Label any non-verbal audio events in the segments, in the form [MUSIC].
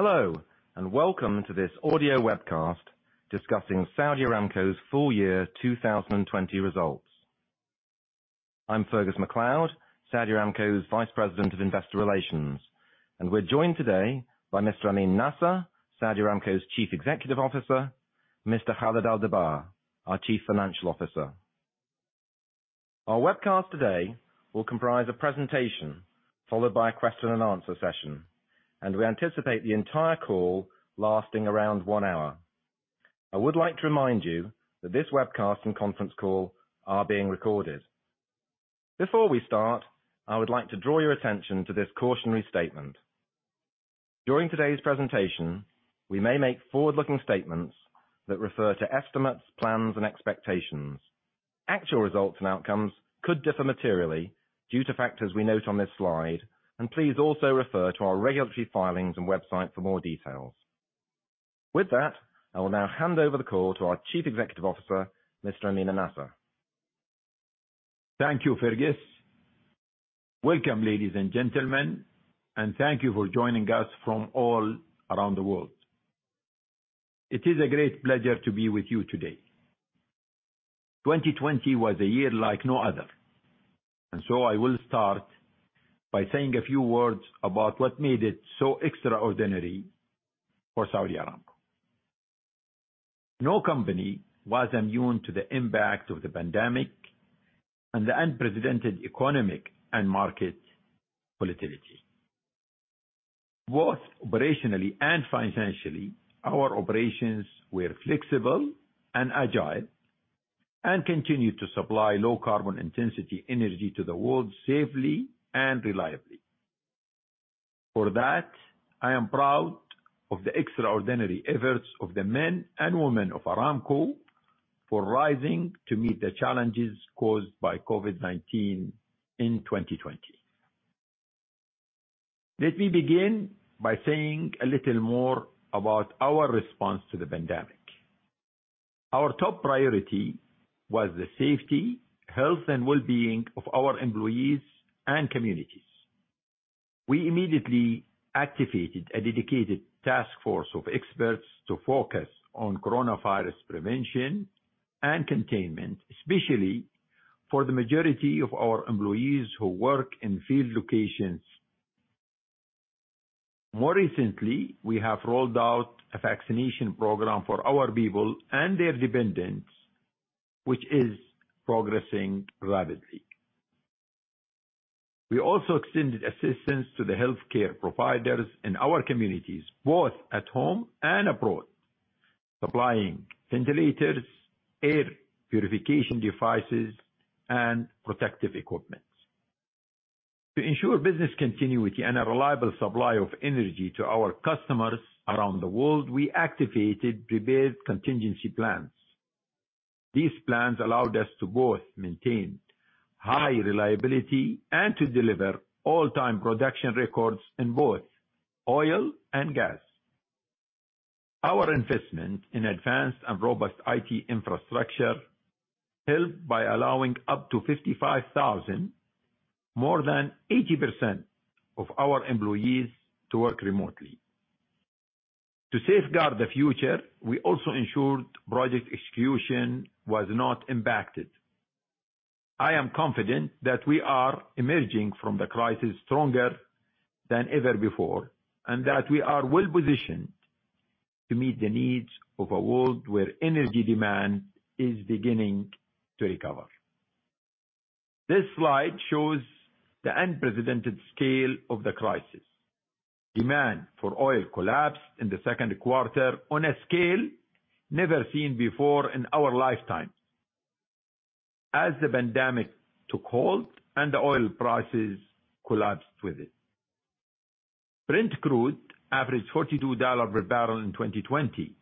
Hello, welcome to this audio webcast discussing Saudi Aramco's Full Year 2020 Results. I'm Fergus MacLeod, Saudi Aramco's Vice President of Investor Relations, and we're joined today by Mr. Amin Nasser, Saudi Aramco's Chief Executive Officer, Mr. Khalid Al-Dabbagh, our Chief Financial Officer. Our webcast today will comprise a presentation followed by a question and answer session, and we anticipate the entire call lasting around one hour. I would like to remind you that this webcast and conference call are being recorded. Before we start, I would like to draw your attention to this cautionary statement. During today's presentation, we may make forward-looking statements that refer to estimates, plans, and expectations. Actual results and outcomes could differ materially due to factors we note on this slide, and please also refer to our regulatory filings and website for more details. With that, I will now hand over the call to our Chief Executive Officer, Mr. Amin Nasser. Thank you, Fergus. Welcome, ladies and gentlemen, and thank you for joining us from all around the world. It is a great pleasure to be with you today. 2020 was a year like no other, and so I will start by saying a few words about what made it so extraordinary for Saudi Aramco. No company was immune to the impact of the pandemic and the unprecedented economic and market volatility. Both operationally and financially, our operations were flexible and agile and continued to supply low carbon intensity energy to the world safely and reliably. For that, I am proud of the extraordinary efforts of the men and women of Aramco for rising to meet the challenges caused by COVID-19 in 2020. Let me begin by saying a little more about our response to the pandemic. Our top priority was the safety, health, and well-being of our employees and communities. We immediately activated a dedicated task force of experts to focus on coronavirus prevention and containment, especially for the majority of our employees who work in field locations. More recently, we have rolled out a vaccination program for our people and their dependents, which is progressing rapidly. We also extended assistance to the healthcare providers in our communities, both at home and abroad, supplying ventilators, air purification devices, and protective equipment. To ensure business continuity and a reliable supply of energy to our customers around the world, we activated prepared contingency plans. These plans allowed us to both maintain high reliability and to deliver all-time production records in both oil and gas. Our investment in advanced and robust IT infrastructure helped by allowing up to 55,000, more than 80% of our employees, to work remotely. To safeguard the future, we also ensured project execution was not impacted. I am confident that we are emerging from the crisis stronger than ever before, that we are well-positioned to meet the needs of a world where energy demand is beginning to recover. This slide shows the unprecedented scale of the crisis. Demand for oil collapsed in the second quarter on a scale never seen before in our lifetime as the pandemic took hold and oil prices collapsed with it. Brent crude averaged $42 per barrel in 2020,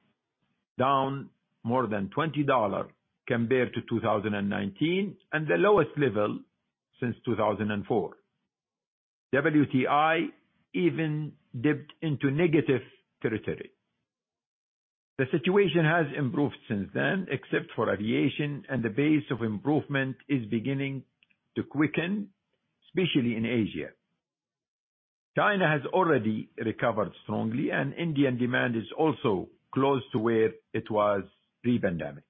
down more than $20 compared to 2019, the lowest level since 2004. WTI even dipped into negative territory. The situation has improved since then, except for aviation, the pace of improvement is beginning to quicken, especially in Asia. China has already recovered strongly, Indian demand is also close to where it was pre-pandemic.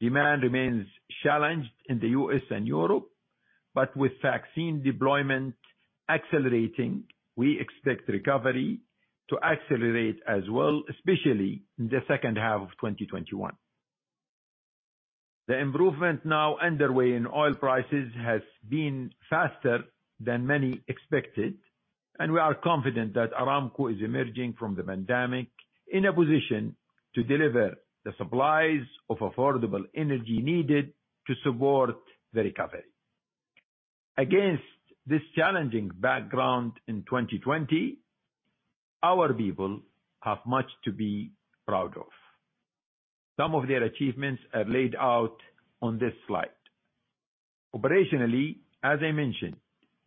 Demand remains challenged in the U.S. and Europe. With vaccine deployment accelerating, we expect recovery to accelerate as well, especially in the second half of 2021. The improvement now underway in oil prices has been faster than many expected. We are confident that Aramco is emerging from the pandemic in a position to deliver the supplies of affordable energy needed to support the recovery. Against this challenging background in 2020, our people have much to be proud of. Some of their achievements are laid out on this slide. Operationally, as I mentioned,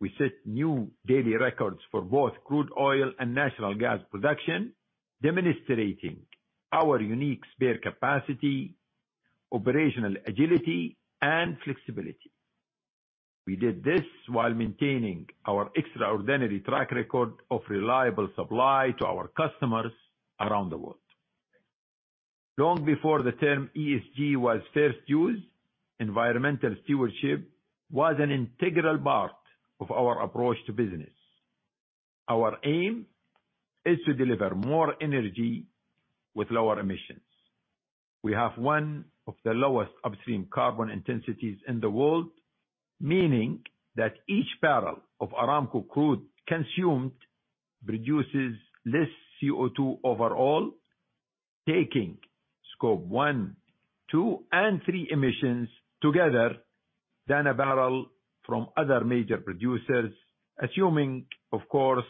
we set new daily records for both crude oil and natural gas production, demonstrating our unique spare capacity, operational agility, and flexibility. We did this while maintaining our extraordinary track record of reliable supply to our customers around the world. Long before the term ESG was first used, environmental stewardship was an integral part of our approach to business. Our aim is to deliver more energy with lower emissions. We have one of the lowest upstream carbon intensities in the world, meaning that each barrel of Saudi Aramco crude consumed produces less CO2 overall, taking Scope 1, 2, and 3 emissions together than a barrel from other major producers, assuming, of course,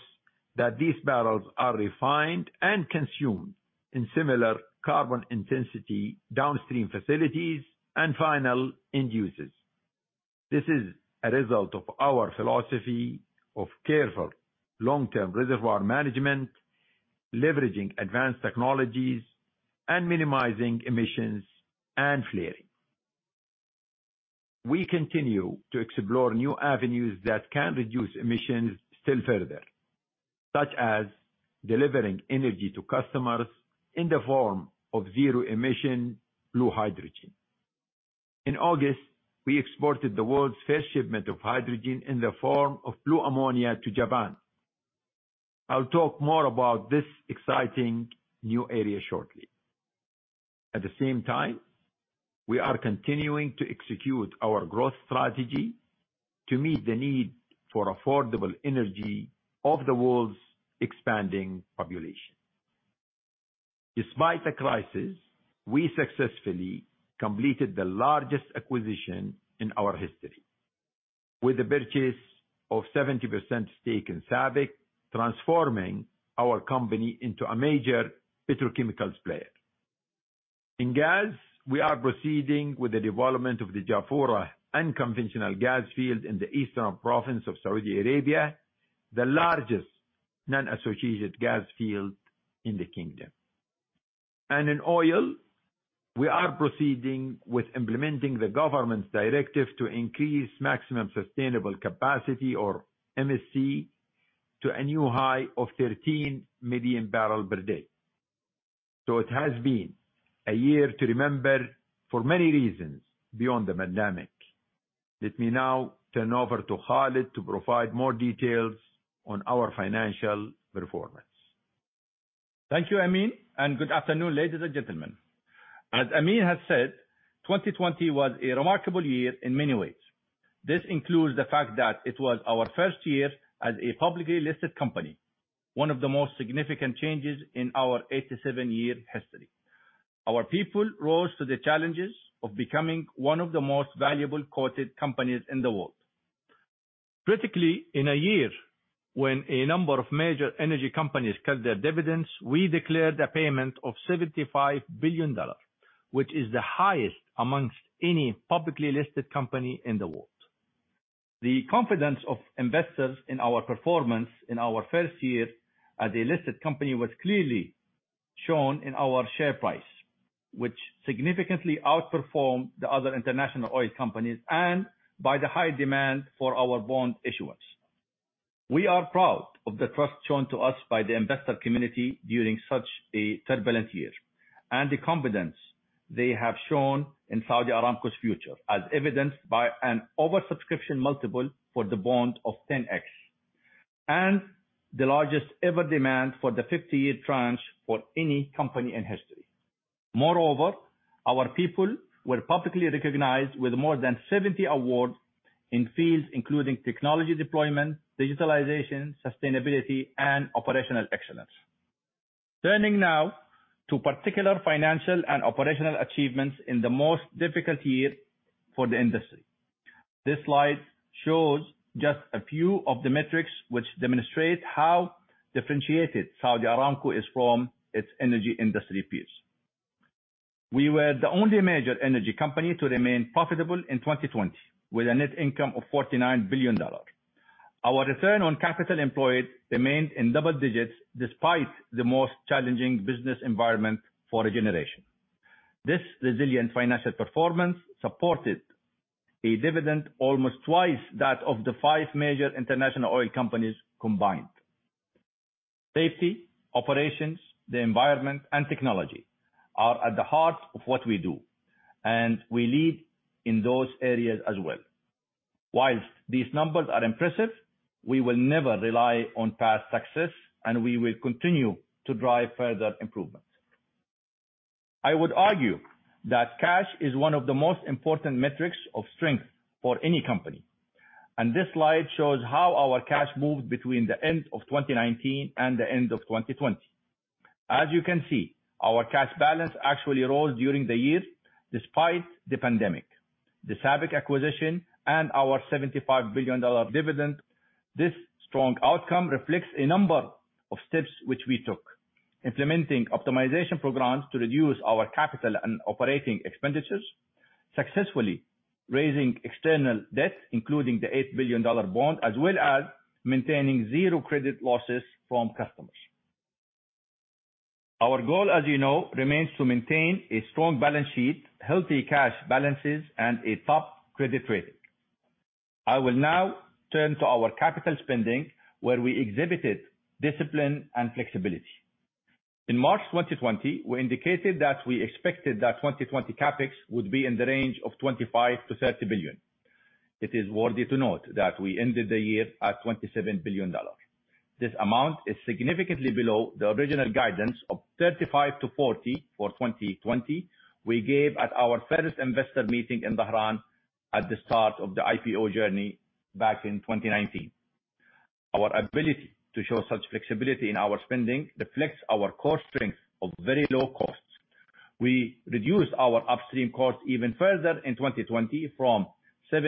that these barrels are refined and consumed in similar carbon intensity downstream facilities and final end uses. This is a result of our philosophy of careful long-term reservoir management, leveraging advanced technologies, and minimizing emissions and flaring. We continue to explore new avenues that can reduce emissions still further, such as delivering energy to customers in the form of zero-emission blue hydrogen. In August, we exported the world's first shipment of hydrogen in the form of blue ammonia to Japan. I'll talk more about this exciting new area shortly. At the same time, we are continuing to execute our growth strategy to meet the need for affordable energy of the world's expanding population. Despite the crisis, we successfully completed the largest acquisition in our history, with the purchase of 70% stake in SABIC, transforming our company into a major petrochemicals player. In gas, we are proceeding with the development of the Jafurah unconventional gas field in the eastern province of Saudi Arabia, the largest non-associated gas field in the Kingdom. In oil, we are proceeding with implementing the government's directive to increase maximum sustainable capacity, or MSC, to a new high of 13 MMbpd. It has been a year to remember for many reasons beyond the pandemic. Let me now turn over to Khalid to provide more details on our financial performance. Thank you, Amin, and good afternoon, ladies and gentlemen. As Amin has said, 2020 was a remarkable year in many ways. This includes the fact that it was our first year as a publicly listed company, one of the most significant changes in our 87-year history. Our people rose to the challenges of becoming one of the most valuable quoted companies in the world. Critically, in a year when a number of major energy companies cut their dividends, we declared a payment of $75 billion, which is the highest amongst any publicly listed company in the world. The confidence of investors in our performance in our first year as a listed company was clearly shown in our share price, which significantly outperformed the other international oil companies and by the high demand for our bond issuance. We are proud of the trust shown to us by the investor community during such a turbulent year and the confidence they have shown in Saudi Aramco's future, as evidenced by an oversubscription multiple for the bond of 10x, and the largest-ever demand for the 50-year tranche for any company in history. Moreover, our people were publicly recognized with more than 70 awards in fields including technology deployment, digitalization, sustainability, and operational excellence. Turning now to particular financial and operational achievements in the most difficult year for the industry. This slide shows just a few of the metrics which demonstrate how differentiated Saudi Aramco is from its energy industry peers. We were the only major energy company to remain profitable in 2020, with a net income of $49 billion. Our return on capital employed remained in double digits despite the most challenging business environment for a generation. This resilient financial performance supported a dividend almost twice that of the five major international oil companies combined. Safety, operations, the environment, and technology are at the heart of what we do, and we lead in those areas as well. While these numbers are impressive, we will never rely on past success, and we will continue to drive further improvements. I would argue that cash is one of the most important metrics of strength for any company, and this slide shows how our cash moved between the end of 2019 and the end of 2020. As you can see, our cash balance actually rose during the year, despite the pandemic, the SABIC acquisition, and our $75 billion dividend. This strong outcome reflects a number of steps which we took. Implementing optimization programs to reduce our capital and operating expenditures, successfully raising external debt, including the $8 billion bond, as well as maintaining zero credit losses from customers. Our goal, as you know, remains to maintain a strong balance sheet, healthy cash balances, and a top credit rating. I will now turn to our capital spending where we exhibited discipline and flexibility. In March 2020, we indicated that we expected that 2020 CapEx would be in the range of $25 billion-$30 billion. It is worthy to note that we ended the year at $27 billion. This amount is significantly below the original guidance of $35 billion-$40 billion for 2020 we gave at our first investor meeting in Bahrain at the start of the IPO journey back in 2019. Our ability to show such flexibility in our spending reflects our core strength of very low costs. We reduced our upstream costs even further in 2020 from SAR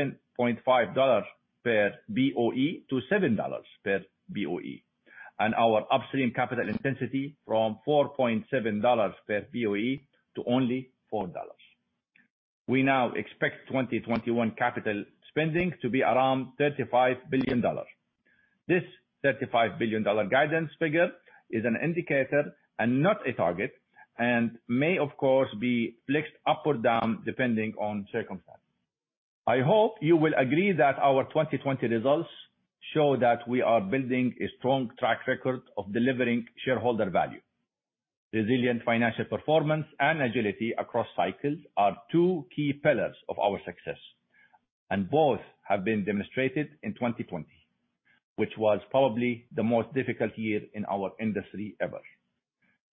7.5 per BOE to SAR 7 per BOE, and our upstream capital intensity from SAR 4.7 per BOE to only SAR 4. We now expect 2021 capital spending to be around $35 billion. This $35 billion guidance figure is an indicator and not a target, and may of course be flexed up or down depending on circumstances. I hope you will agree that our 2020 results show that we are building a strong track record of delivering shareholder value. Resilient financial performance and agility across cycles are two key pillars of our success, and both have been demonstrated in 2020, which was probably the most difficult year in our industry ever.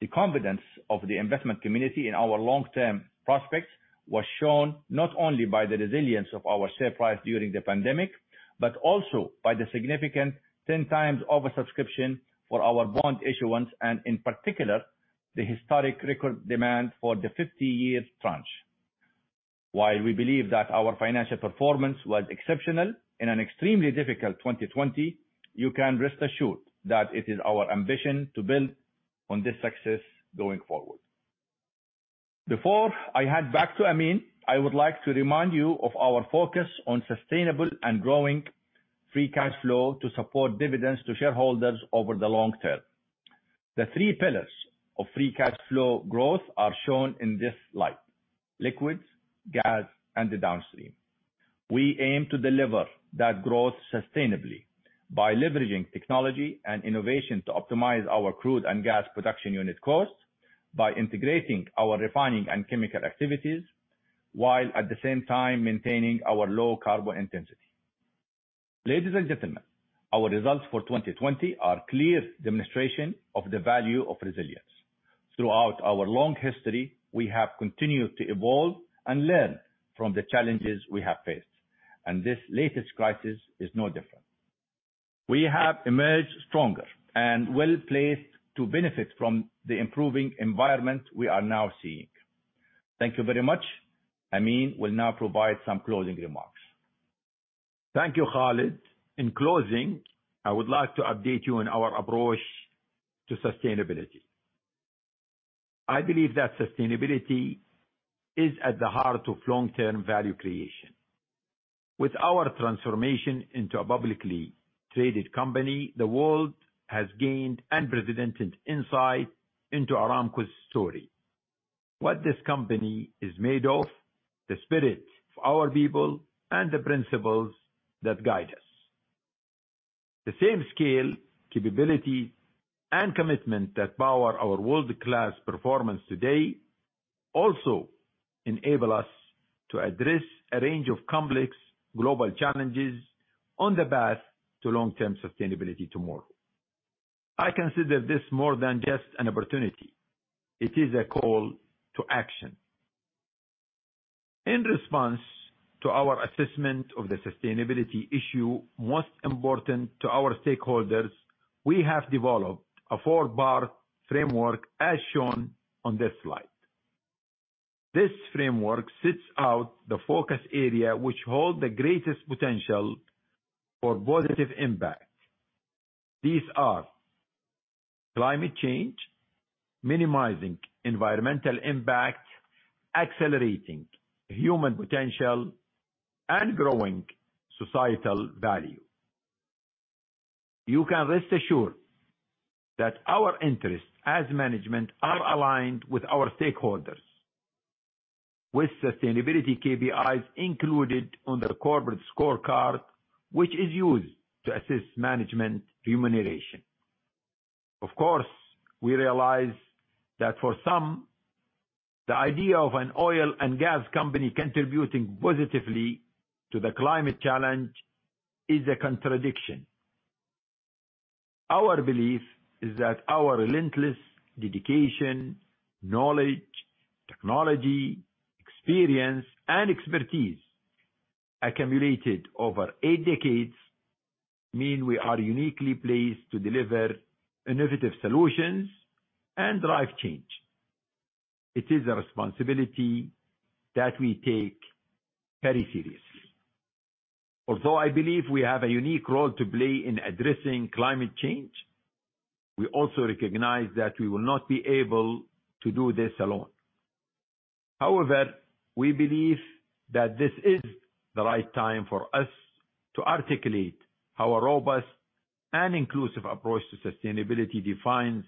The confidence of the investment community in our long-term prospects was shown not only by the resilience of our share price during the pandemic, but also by the significant 10 times oversubscription for our bond issuance and in particular, the historic record demand for the 50-year tranche. While we believe that our financial performance was exceptional in an extremely difficult 2020, you can rest assured that it is our ambition to build on this success going forward. Before I hand back to Amin, I would like to remind you of our focus on sustainable and growing free cash flow to support dividends to shareholders over the long term. The three pillars of free cash flow growth are shown in this slide. Liquids, gas, and the downstream. We aim to deliver that growth sustainably by leveraging technology and innovation to optimize our crude and gas production unit costs, by integrating our refining and chemical activities, while at the same time maintaining our low carbon intensity. Ladies and gentlemen, our results for 2020 are clear demonstration of the value of resilience. Throughout our long history, we have continued to evolve and learn from the challenges we have faced, and this latest crisis is no different. We have emerged stronger and well-placed to benefit from the improving environment we are now seeing. Thank you very much. Amin will now provide some closing remarks. Thank you, Khalid. In closing, I would like to update you on our approach to sustainability. I believe that sustainability is at the heart of long-term value creation. With our transformation into a publicly traded company, the world has gained unprecedented insight into Aramco's story. What this company is made of, the spirit of our people, and the principles that guide us. The same scale, capability, and commitment that power our world-class performance today also enable us to address a range of complex global challenges on the path to long-term sustainability tomorrow. I consider this more than just an opportunity. It is a call to action. In response to our assessment of the sustainability issue most important to our stakeholders, we have developed a four-bar framework as shown on this slide. This framework sets out the focus area which hold the greatest potential for positive impact. These are climate change, minimizing environmental impact, accelerating human potential, and growing societal value. You can rest assured that our interests as management are aligned with our stakeholders with sustainability KPIs included on the corporate scorecard, which is used to assess management remuneration. Of course, we realize that for some, the idea of an oil and gas company contributing positively to the climate challenge is a contradiction. Our belief is that our relentless dedication, knowledge, technology, experience, and expertise accumulated over eight decades mean we are uniquely placed to deliver innovative solutions and drive change. It is a responsibility that we take very seriously. Although I believe we have a unique role to play in addressing climate change, we also recognize that we will not be able to do this alone. We believe that this is the right time for us to articulate how a robust and inclusive approach to sustainability defines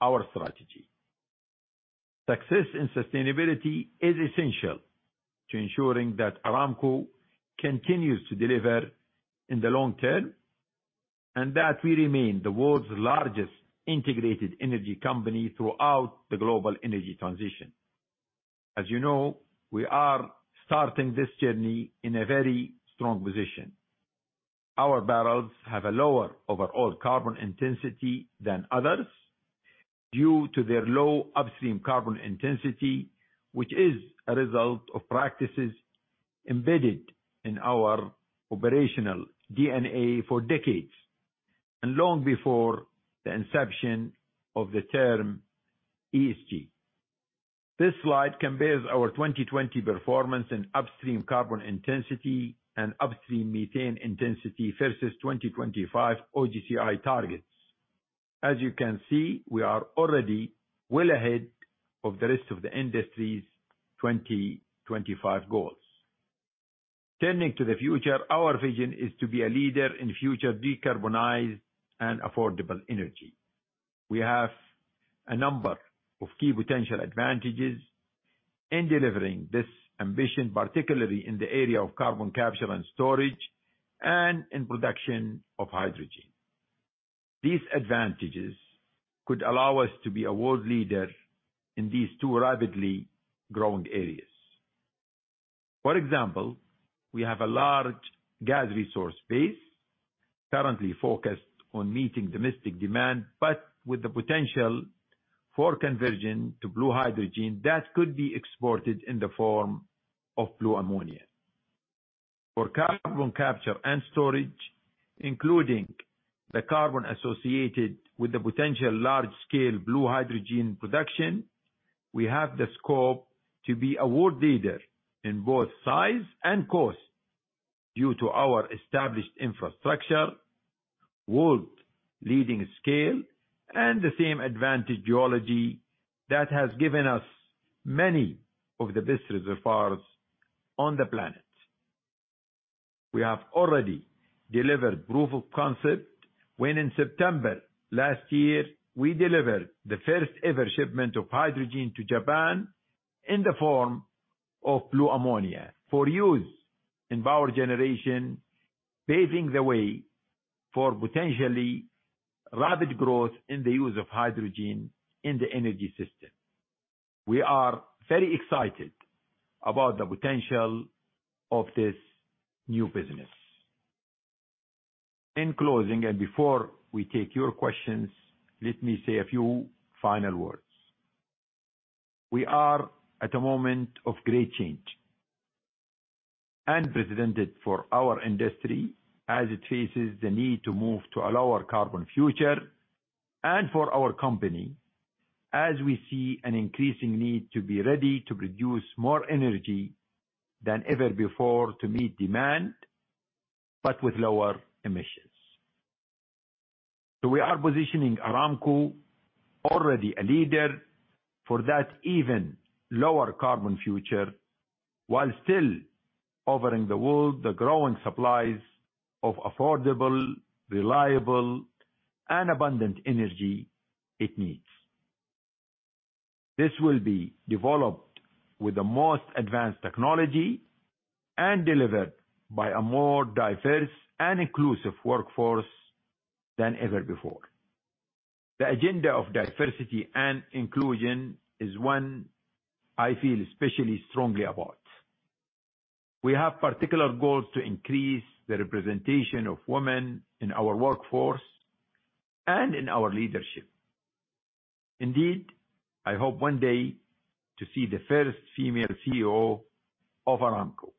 our strategy. Success in sustainability is essential to ensuring that Aramco continues to deliver in the long term, and that we remain the world's largest integrated energy company throughout the global energy transition. As you know, we are starting this journey in a very strong position. Our barrels have a lower overall carbon intensity than others due to their low upstream carbon intensity, which is a result of practices embedded in our operational DNA for decades, and long before the inception of the term ESG. This slide compares our 2020 performance in upstream carbon intensity and upstream methane intensity versus 2025 OGCI targets. As you can see, we are already well ahead of the rest of the industry's 2025 goals. Turning to the future, our vision is to be a leader in future decarbonized and affordable energy. We have a number of key potential advantages in delivering this ambition, particularly in the area of carbon capture and storage and in production of hydrogen. These advantages could allow us to be a world leader in these two rapidly growing areas. For example, we have a large gas resource base currently focused on meeting domestic demand, but with the potential for conversion to blue hydrogen that could be exported in the form of blue ammonia. For carbon capture and storage, including the carbon associated with the potential large-scale blue hydrogen production, we have the scope to be a world leader in both size and cost due to our established infrastructure, world-leading scale, and the same advantaged geology that has given us many of the best reservoirs on the planet. We have already delivered proof of concept when in September last year, we delivered the first-ever shipment of hydrogen to Japan in the form of blue ammonia for use in power generation, paving the way for potentially rapid growth in the use of hydrogen in the energy system. We are very excited about the potential of this new business. In closing, and before we take your questions, let me say a few final words. We are at a moment of great change, unprecedented for our industry as it faces the need to move to a lower carbon future and for our company, as we see an increasing need to be ready to produce more energy than ever before to meet demand, but with lower emissions. We are positioning Aramco, already a leader, for that even lower carbon future, while still offering the world the growing supplies of affordable, reliable, and abundant energy it needs. This will be developed with the most advanced technology and delivered by a more diverse and inclusive workforce than ever before. The agenda of diversity and inclusion is one I feel especially strongly about. We have particular goals to increase the representation of women in our workforce and in our leadership. Indeed, I hope one day to see the first female CEO of Aramco.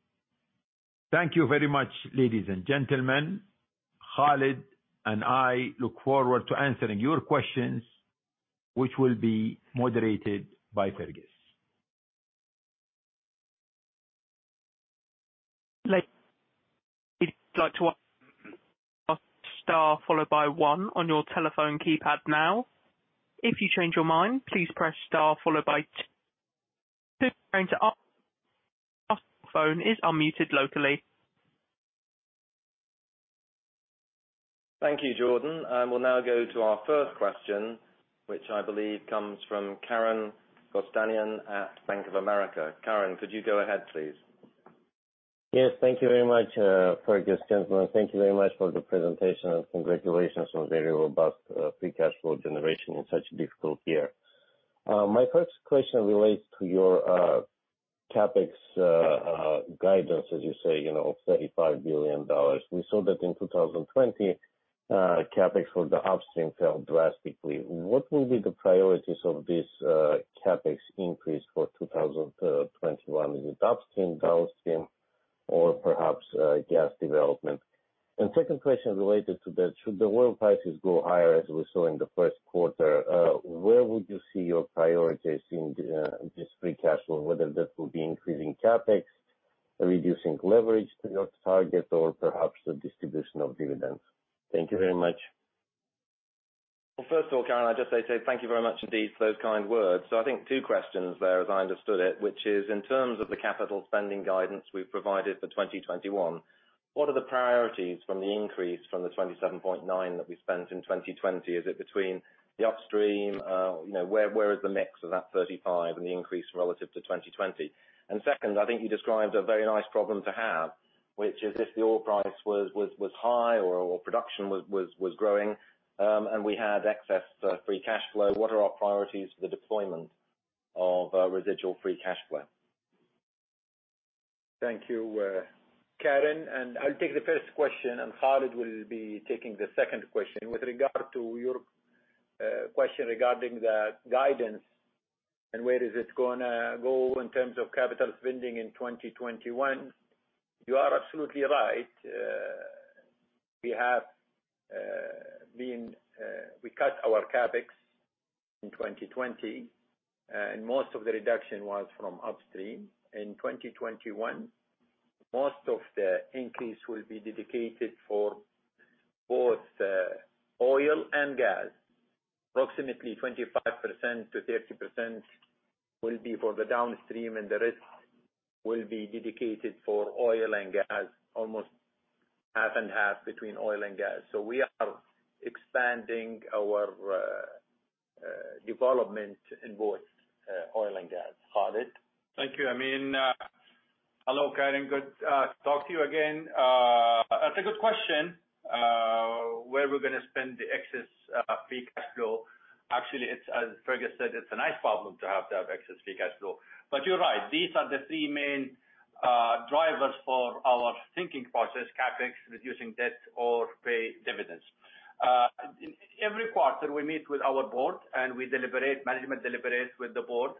Thank you very much, ladies and gentlemen. Khalid and I look forward to answering your questions, which will be moderated by Fergus. [AUDIO DISTORTION] If you'd like to ask star followed by one on your telephone keypad now. If you change your mind, please press star followed by two. Phone is unmuted locally. Thank you, Jordan. We'll now go to our first question, which I believe comes from Karen Kostanian at Bank of America. Karen, could you go ahead, please? Yes, thank you very much, Fergus. Gentlemen, thank you very much for the presentation and congratulations on the very robust free cash flow generation in such a difficult year. My first question relates to your CapEx guidance. As you say, $35 billion. We saw that in 2020, CapEx for the upstream fell drastically. What will be the priorities of this CapEx increase for 2021? Is it upstream, downstream, or perhaps gas development? Second question related to that, should the oil prices go higher as we saw in the first quarter, where would you see your priorities in this free cash flow, whether that will be increasing CapEx, reducing leverage to your target, or perhaps the distribution of dividends? Thank you very much. First of all, Karen, I'd just say thank you very much indeed for those kind words. I think two questions there, as I understood it, which is in terms of the capital spending guidance we've provided for 2021, what are the priorities from the increase from the $27.9 that we spent in 2020? Is it between the upstream? Where is the mix of that $35 and the increase relative to 2020? Second, I think you described a very nice problem to have, which is if the oil price was high or production was growing, and we had excess free cash flow, what are our priorities for the deployment of residual free cash flow? Thank you, Karen. I'll take the first question. Khalid will be taking the second question. With regard to your question regarding the guidance and where is this going to go in terms of capital spending in 2021, you are absolutely right. We cut our CapEx in 2020. Most of the reduction was from upstream. In 2021, most of the increase will be dedicated for both oil and gas. Approximately 25%-30% will be for the downstream. The rest will be dedicated for oil and gas, almost half and half between oil and gas. We are expanding our development in both oil and gas. Khalid. Thank you, Amin. Hello, Karen. Good to talk to you again. That's a good question. Where we're going to spend the excess free cash flow. Actually, as Fergus said, it's a nice problem to have excess free cash flow. You're right, these are the three main drivers for our thinking process, CapEx, reducing debt, or pay dividends. Every quarter we meet with our board and we deliberate, management deliberates with the board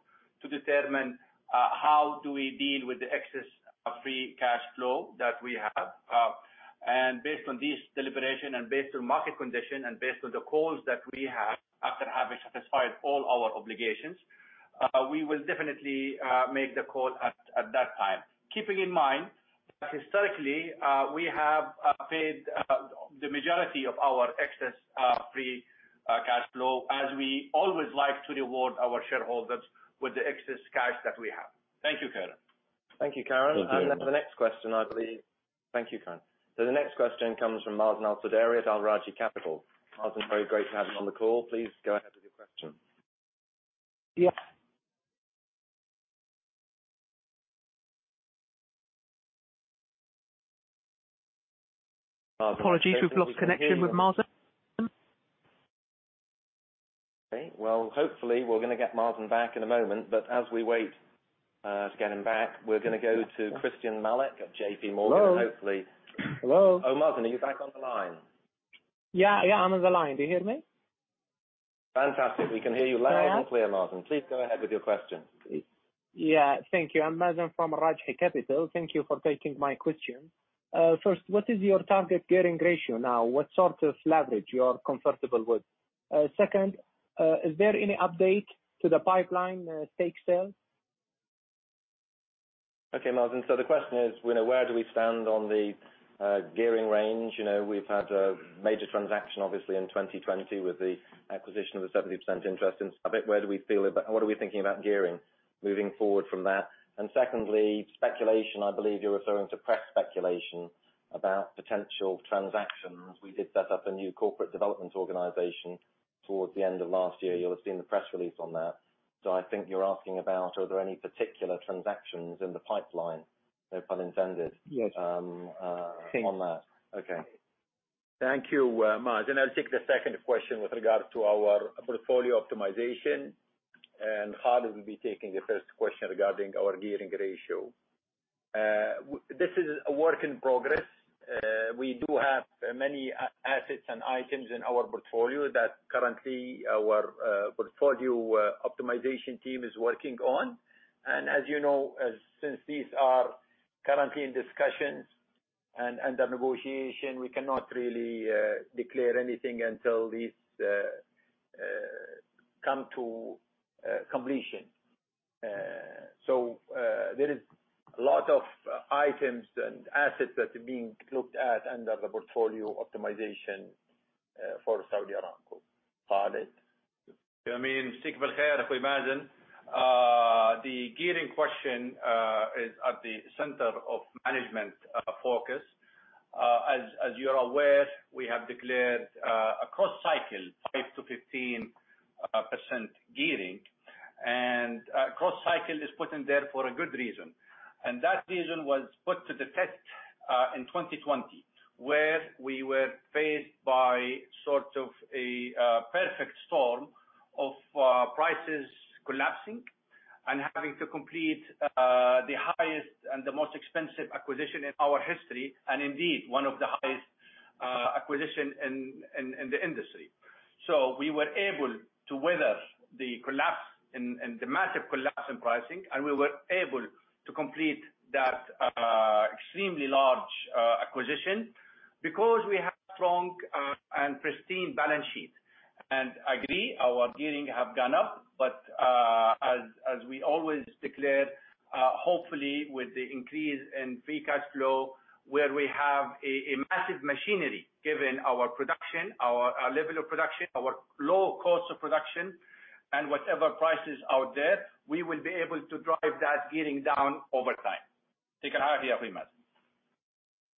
to determine how do we deal with the excess free cash flow that we have. Based on this deliberation and based on market condition and based on the calls that we have after having satisfied all our obligations, we will definitely make the call at that time. Keeping in mind that historically, we have paid the majority of our excess free cash flow, as we always like to reward our shareholders with the excess cash that we have. Thank you, Karen. Thank you, Karen. Thank you. The next question, I believe. Thank you, Karen. The next question comes from Mazen Al-Sudairi at Al Rajhi Capital. Mazen, very great to have you on the call. Please go ahead with your question. Yes. Mazen- Apologies, we've lost connection with Mazen. Well, hopefully we're going to get Mazen back in a moment, but as we wait to get him back, we're going to go to Christyan Malek at JP Morgan. Hello? Hello? Oh, Mazen, are you back on the line? Yeah. I'm on the line. Do you hear me? Fantastic. We can hear you loud and clear, Mazin. Please go ahead with your question. Yeah. Thank you. I'm Mazen from Al Rajhi Capital. Thank you for taking my question. First, what is your target gearing ratio now? What sort of leverage you are comfortable with? Second, is there any update to the pipeline stake sales? Okay, Mazen. The question is, where do we stand on the gearing range? We've had a major transaction, obviously, in 2020 with the acquisition of a 70% interest in SABIC. Where do we feel about and what are we thinking about gearing moving forward from that? Secondly, speculation, I believe you're referring to press speculation about potential transactions. We did set up a new corporate development organization towards the end of last year. You'll have seen the press release on that. I think you're asking about, are there any particular transactions in the pipeline, no pun intended? Yes on that. Okay. Thank you, Mazin. I'll take the second question with regard to our portfolio optimization, and Khalid will be taking the first question regarding our gearing ratio. This is a work in progress. We do have many assets and items in our portfolio that currently our portfolio optimization team is working on. As you know, since these are currently in discussions and under negotiation, we cannot really declare anything until these come to completion. There is a lot of items and assets that are being looked at under the portfolio optimization for Saudi Aramco. Khalid. The gearing question is at the center of management focus. As you are aware, we have declared a cross-cycle 5%-15% gearing, and cross-cycle is put in there for a good reason. That reason was put to the test in 2020, where we were faced by sort of a perfect storm of prices collapsing and having to complete the highest and the most expensive acquisition in our history, and indeed, one of the highest acquisition in the industry. We were able to weather the massive collapse in pricing, and we were able to complete that extremely large acquisition because we have strong and pristine balance sheet. I agree, our gearing have gone up. As we always declare, hopefully with the increase in free cash flow, where we have a massive machinery, given our production, our level of production, our low cost of production, and whatever prices out there, we will be able to drive that gearing down over time. Take care.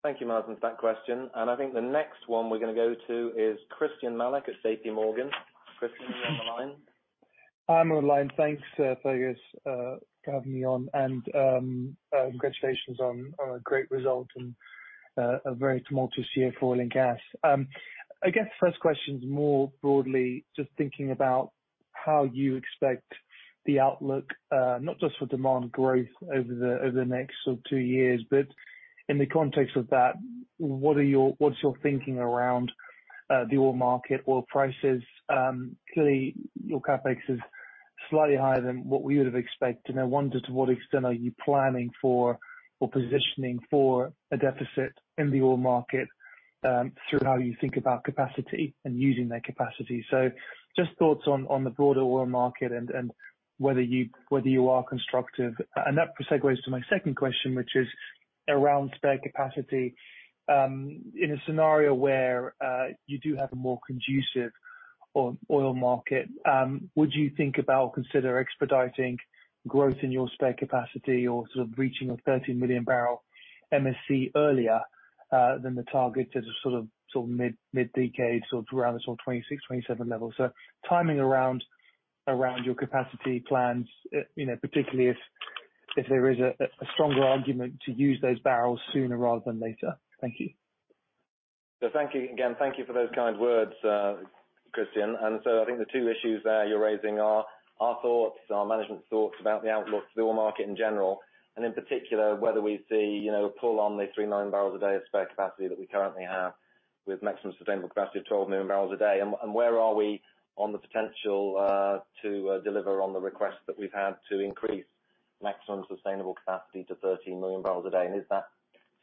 Thank you, Mazen, for that question. I think the next one we're going to go to is Christyan Malek at JP Morgan. Christyan, are you on the line? I'm on the line. Thanks, Fergus, for having me on. Congratulations on a great result in a very tumultuous year for oil and gas. I guess first question is more broadly, just thinking about how you expect the outlook, not just for demand growth over the next two years, but in the context of that, what's your thinking around the oil market, oil prices? Clearly, your CapEx is slightly higher than what we would have expected. I wonder to what extent are you planning for or positioning for a deficit in the oil market through how you think about capacity and using that capacity. Just thoughts on the broader oil market and whether you are constructive. That segues to my second question, which is around spare capacity. In a scenario where you do have a more conducive oil market, would you think about or consider expediting growth in your spare capacity or reaching a 13 million barrel MSC earlier than the target as a mid-decade, so around the 2026, 2027 level? Timing around your capacity plans, particularly if there is a stronger argument to use those barrels sooner rather than later. Thank you. Thank you again. Thank you for those kind words, Christyan. I think the two issues there you're raising are our thoughts, our management's thoughts about the outlook for the oil market in general, and in particular, whether we see a pull on the 3.9 MMbpd of spare capacity that we currently have with maximum sustainable capacity of 12 million MMbpd. Where are we on the potential to deliver on the request that we've had to increase maximum sustainable capacity to 13 MMbpd, and is that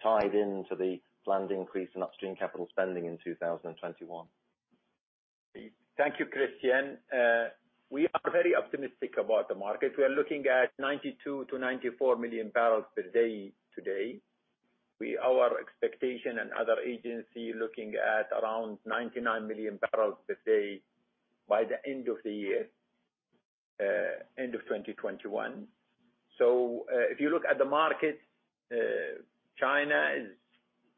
tied into the planned increase in upstream capital spending in 2021? Thank you, Christyan. We are very optimistic about the market. We are looking at 92-94 MMbpd today. Our expectation and other agency looking at around 99 MMbpd by the end of the year, end of 2021. If you look at the market, China is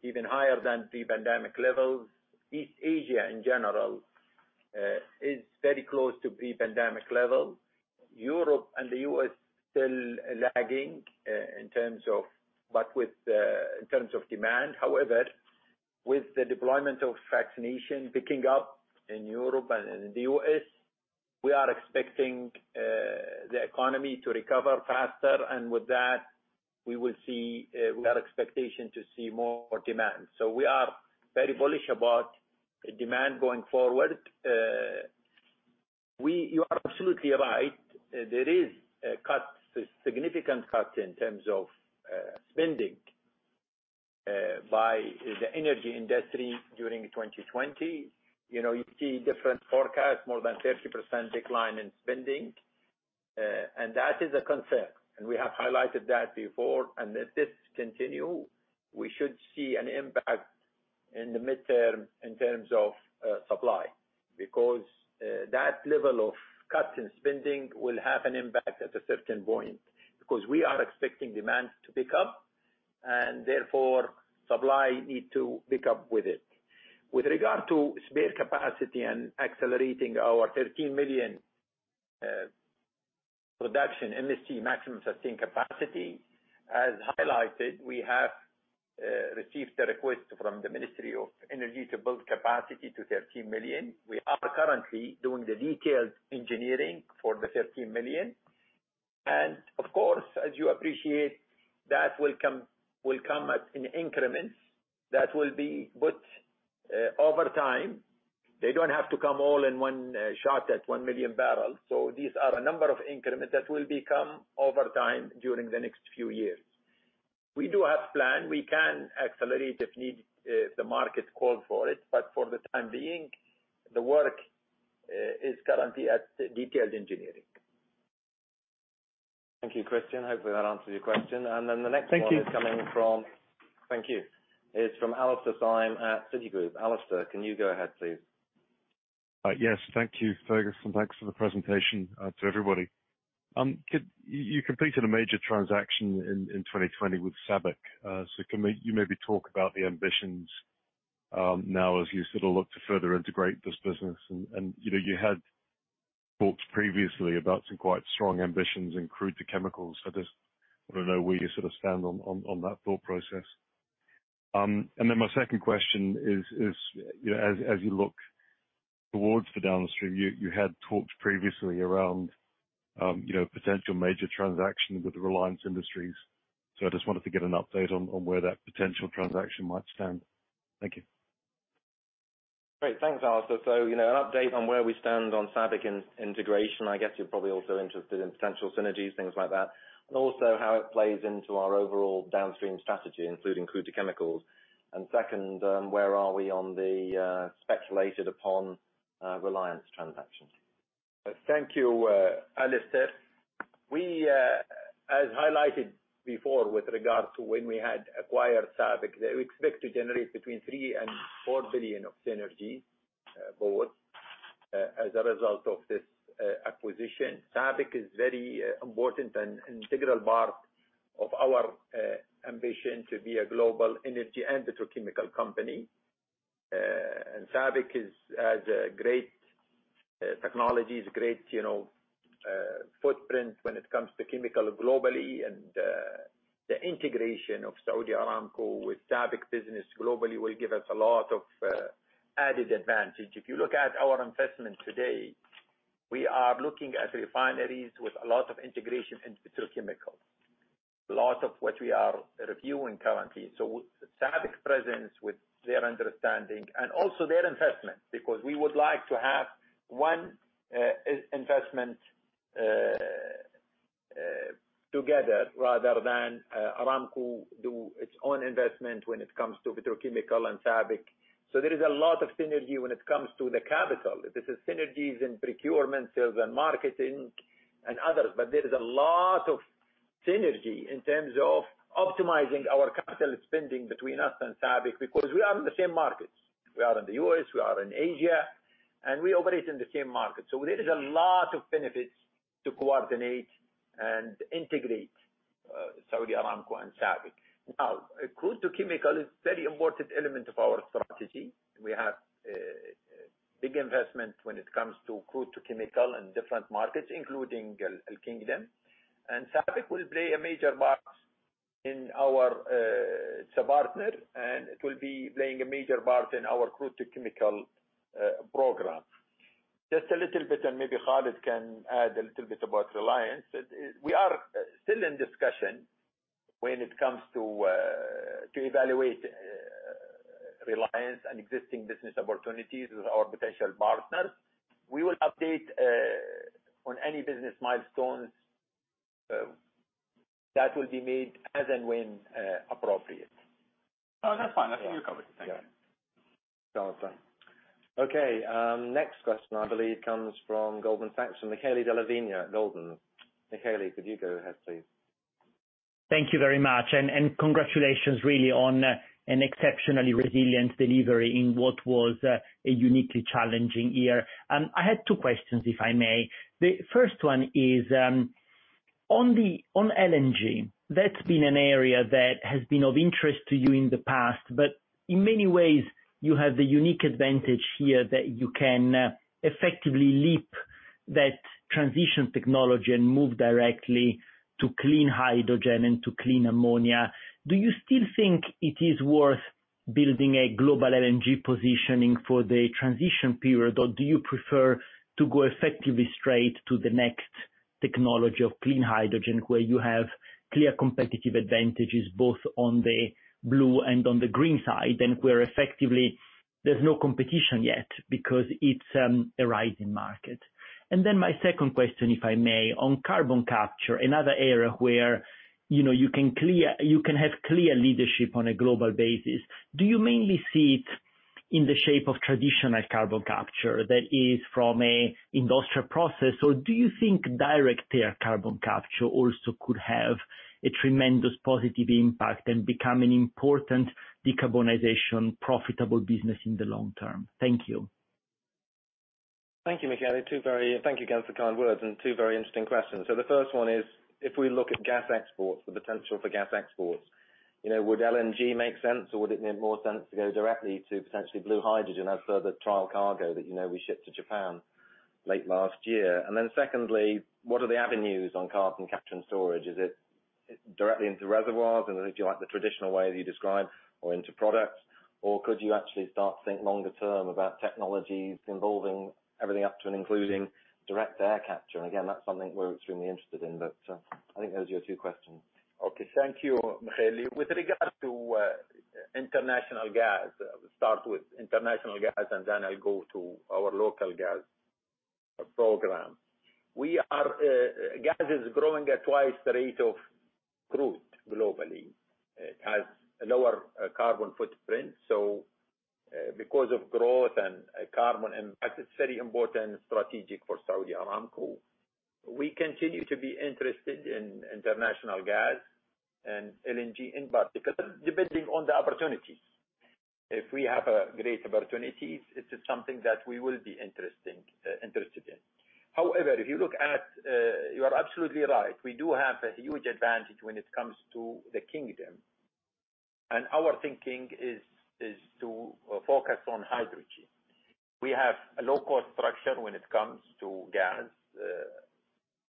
even higher than pre-pandemic levels. East Asia in general is very close to pre-pandemic level. Europe and the U.S. still lagging in terms of demand. However, with the deployment of vaccination picking up in Europe and in the U.S., we are expecting the economy to recover faster. With that, we have expectation to see more demand. We are very bullish about demand going forward. You are absolutely right. There is a significant cut in terms of spending by the energy industry during 2020. You see different forecasts, more than 30% decline in spending. That is a concern, and we have highlighted that before. If this continue, we should see an impact in the midterm in terms of supply. That level of cut in spending will have an impact at a certain point, because we are expecting demand to pick up, and therefore supply need to pick up with it. With regard to spare capacity and accelerating our 13 million production MSC, Maximum Sustained Capacity, as highlighted, we have received a request from the Ministry of Energy to build capacity to 13 million. We are currently doing the detailed engineering for the 13 million. Of course, as you appreciate, that will come in increments that will be put over time. They don't have to come all in one shot at 1 MMbpd. These are a number of increments that will become over time during the next few years. We do have plan. We can accelerate if the market call for it. For the time being, the work is currently at detailed engineering. Thank you, Christyan. Hopefully, that answers your question. Thank you. The next one. Thank you. Is from Alastair Syme at Citigroup. Alastair, can you go ahead, please? Yes. Thank you, Fergus, and thanks for the presentation to everybody. You completed a major transaction in 2020 with SABIC. Can you maybe talk about the ambitions now as you look to further integrate this business? You had talked previously about some quite strong ambitions in crude to chemicals. I just want to know where you stand on that thought process. My second question is, as you look towards the downstream, you had talked previously around potential major transaction with the Reliance Industries. I just wanted to get an update on where that potential transaction might stand. Thank you. Great. Thanks, Alastair. An update on where we stand on SABIC integration. I guess you're probably also interested in potential synergies, things like that, and also how it plays into our overall downstream strategy, including crude to chemicals. Second, where are we on the speculated upon Reliance transaction? Thank you, Alastair. As highlighted before with regards to when we had acquired SABIC, we expect to generate between $3 billion and $4 billion of synergy forward as a result of this acquisition. SABIC is very important and integral part of our ambition to be a global energy and petrochemical company. SABIC has a great technologies, great footprint when it comes to chemical globally, and the integration of Saudi Aramco with SABIC business globally will give us a lot of added advantage. If you look at our investments today, we are looking at refineries with a lot of integration into petrochemical. A lot of what we are reviewing currently. SABIC presence with their understanding and also their investment, because we would like to have one investment together rather than Aramco do its own investment when it comes to petrochemical and SABIC. There is a lot of synergy when it comes to the capital. This is synergies in procurement, sales, and marketing, and others. There is a lot of synergy in terms of optimizing our capital spending between us and SABIC because we are in the same markets. We are in the US, we are in Asia, and we operate in the same market. There is a lot of benefits to coordinate and integrate Saudi Aramco and SABIC. Crude to chemical is very important element of our strategy. We have big investment when it comes to crude to chemical in different markets, including the Kingdom. SABIC will play a major part in our partner, and it will be playing a major part in our crude to chemical program. Just a little bit, and maybe Khalid can add a little bit about Reliance. We are still in discussion when it comes to evaluate Reliance and existing business opportunities with our potential partners. We will update on any business milestones that will be made as and when appropriate. No, that's fine. I think you covered it. Thank you. Yeah. Jonathan. Okay, next question, I believe comes from Goldman Sachs from Michele Della Vigna at Goldman. Michele, could you go ahead, please? Thank you very much, congratulations really on an exceptionally resilient delivery in what was a uniquely challenging year. I had two questions, if I may. The first one is, on LNG, that's been an area that has been of interest to you in the past, in many ways, you have the unique advantage here that you can effectively leap that transition technology and move directly to clean hydrogen and to clean ammonia. Do you still think it is worth building a global LNG positioning for the transition period? Do you prefer to go effectively straight to the next technology of clean hydrogen, where you have clear competitive advantages both on the blue and on the green side, and where effectively there's no competition yet because it's a rising market? My second question, if I may, on carbon capture, another area where you can have clear leadership on a global basis. Do you mainly see it in the shape of traditional carbon capture that is from a industrial process? Or do you think direct air carbon capture also could have a tremendous positive impact and become an important decarbonization profitable business in the long term? Thank you. Thank you, Michele. Thank you again for the kind words and two very interesting questions. The first one is, if we look at gas exports, the potential for gas exports, would LNG make sense or would it make more sense to go directly to potentially blue hydrogen as per the trial cargo that we shipped to Japan late last year? Secondly, what are the avenues on carbon capture and storage? Is it directly into reservoirs, and do you like the traditional way that you describe or into products? Or could you actually start to think longer term about technologies involving everything up to and including direct air capture? Again, that's something we're extremely interested in. I think those are your two questions. Okay. Thank you, Michele. With regards to international gas, start with international gas, and then I'll go to our local gas program. Gas is growing at twice the rate of crude globally. It has a lower carbon footprint. Because of growth and carbon impact, it's very important strategic for Saudi Aramco. We continue to be interested in international gas and LNG in particular, depending on the opportunities. If we have a great opportunity, it is something that we will be interested in. However, you are absolutely right. We do have a huge advantage when it comes to the Kingdom. Our thinking is to focus on hydrogen. We have a low-cost structure when it comes to gas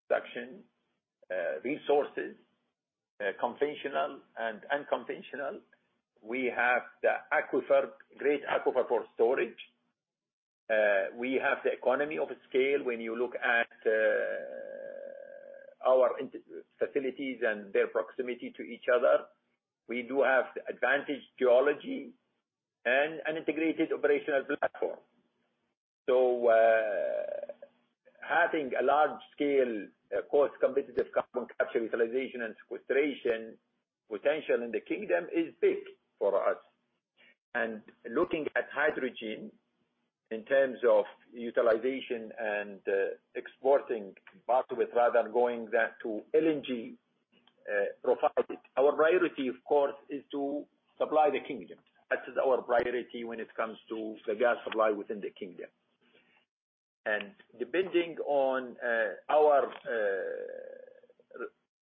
production resources, conventional and unconventional. We have great aquifer for storage. We have the economy of scale when you look at our facilities and their proximity to each other. We do have the advantage geology and an integrated operational platform. Having a large scale cost competitive carbon capture utilization and sequestration potential in the Kingdom is big for us. And looking at hydrogen in terms of utilization and exporting back with rather than going that to LNG profile. Our priority, of course, is to supply the Kingdom. That is our priority when it comes to the gas supply within the Kingdom. Depending on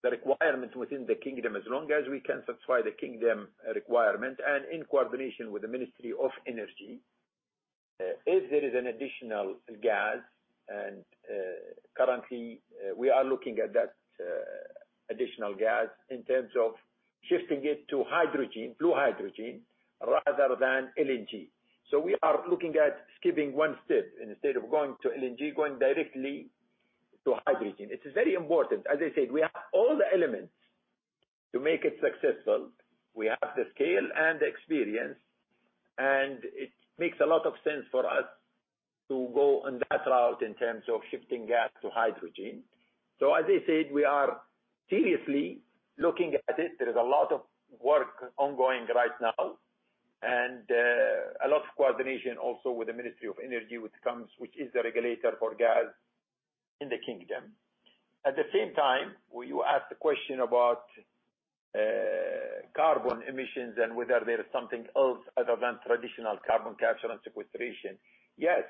the requirements within the Kingdom, as long as we can satisfy the Kingdom requirement and in coordination with the Ministry of Energy, if there is an additional gas, and currently we are looking at that additional gas in terms of shifting it to blue hydrogen rather than LNG. We are looking at skipping one step. Instead of going to LNG, going directly to hydrogen. It is very important. As I said, we have all the elements to make it successful. We have the scale and the experience, and it makes a lot of sense for us to go on that route in terms of shifting gas to hydrogen. As I said, we are seriously looking at it. There is a lot of work ongoing right now and a lot of coordination also with the Ministry of Energy, which is the regulator for gas in the Kingdom. At the same time, you asked a question about carbon emissions and whether there is something else other than traditional carbon capture and sequestration. Yes,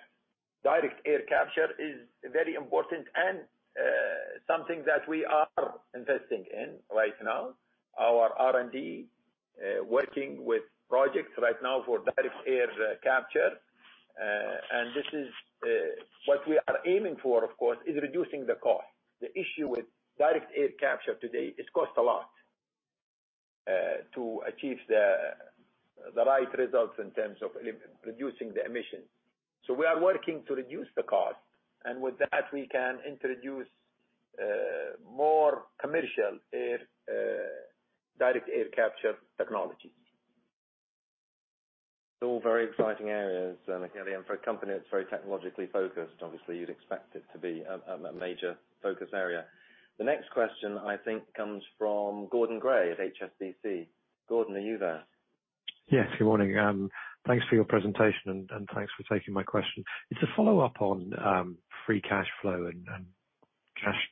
direct air capture is very important and something that we are investing in right now. Our R&D, working with projects right now for direct air capture. What we are aiming for, of course, is reducing the cost. The issue with direct air capture today, it costs a lot to achieve the right results in terms of reducing the emissions. We are working to reduce the cost, and with that, we can introduce more commercial direct air capture technologies. All very exciting areas. Again, for a company that's very technologically-focused, obviously you'd expect it to be a major focus area. The next question, I think, comes from Gordon Gray at HSBC. Gordon, are you there? Yes, good morning. Thanks for your presentation, and thanks for taking my question. It's a follow-up on free cash flow and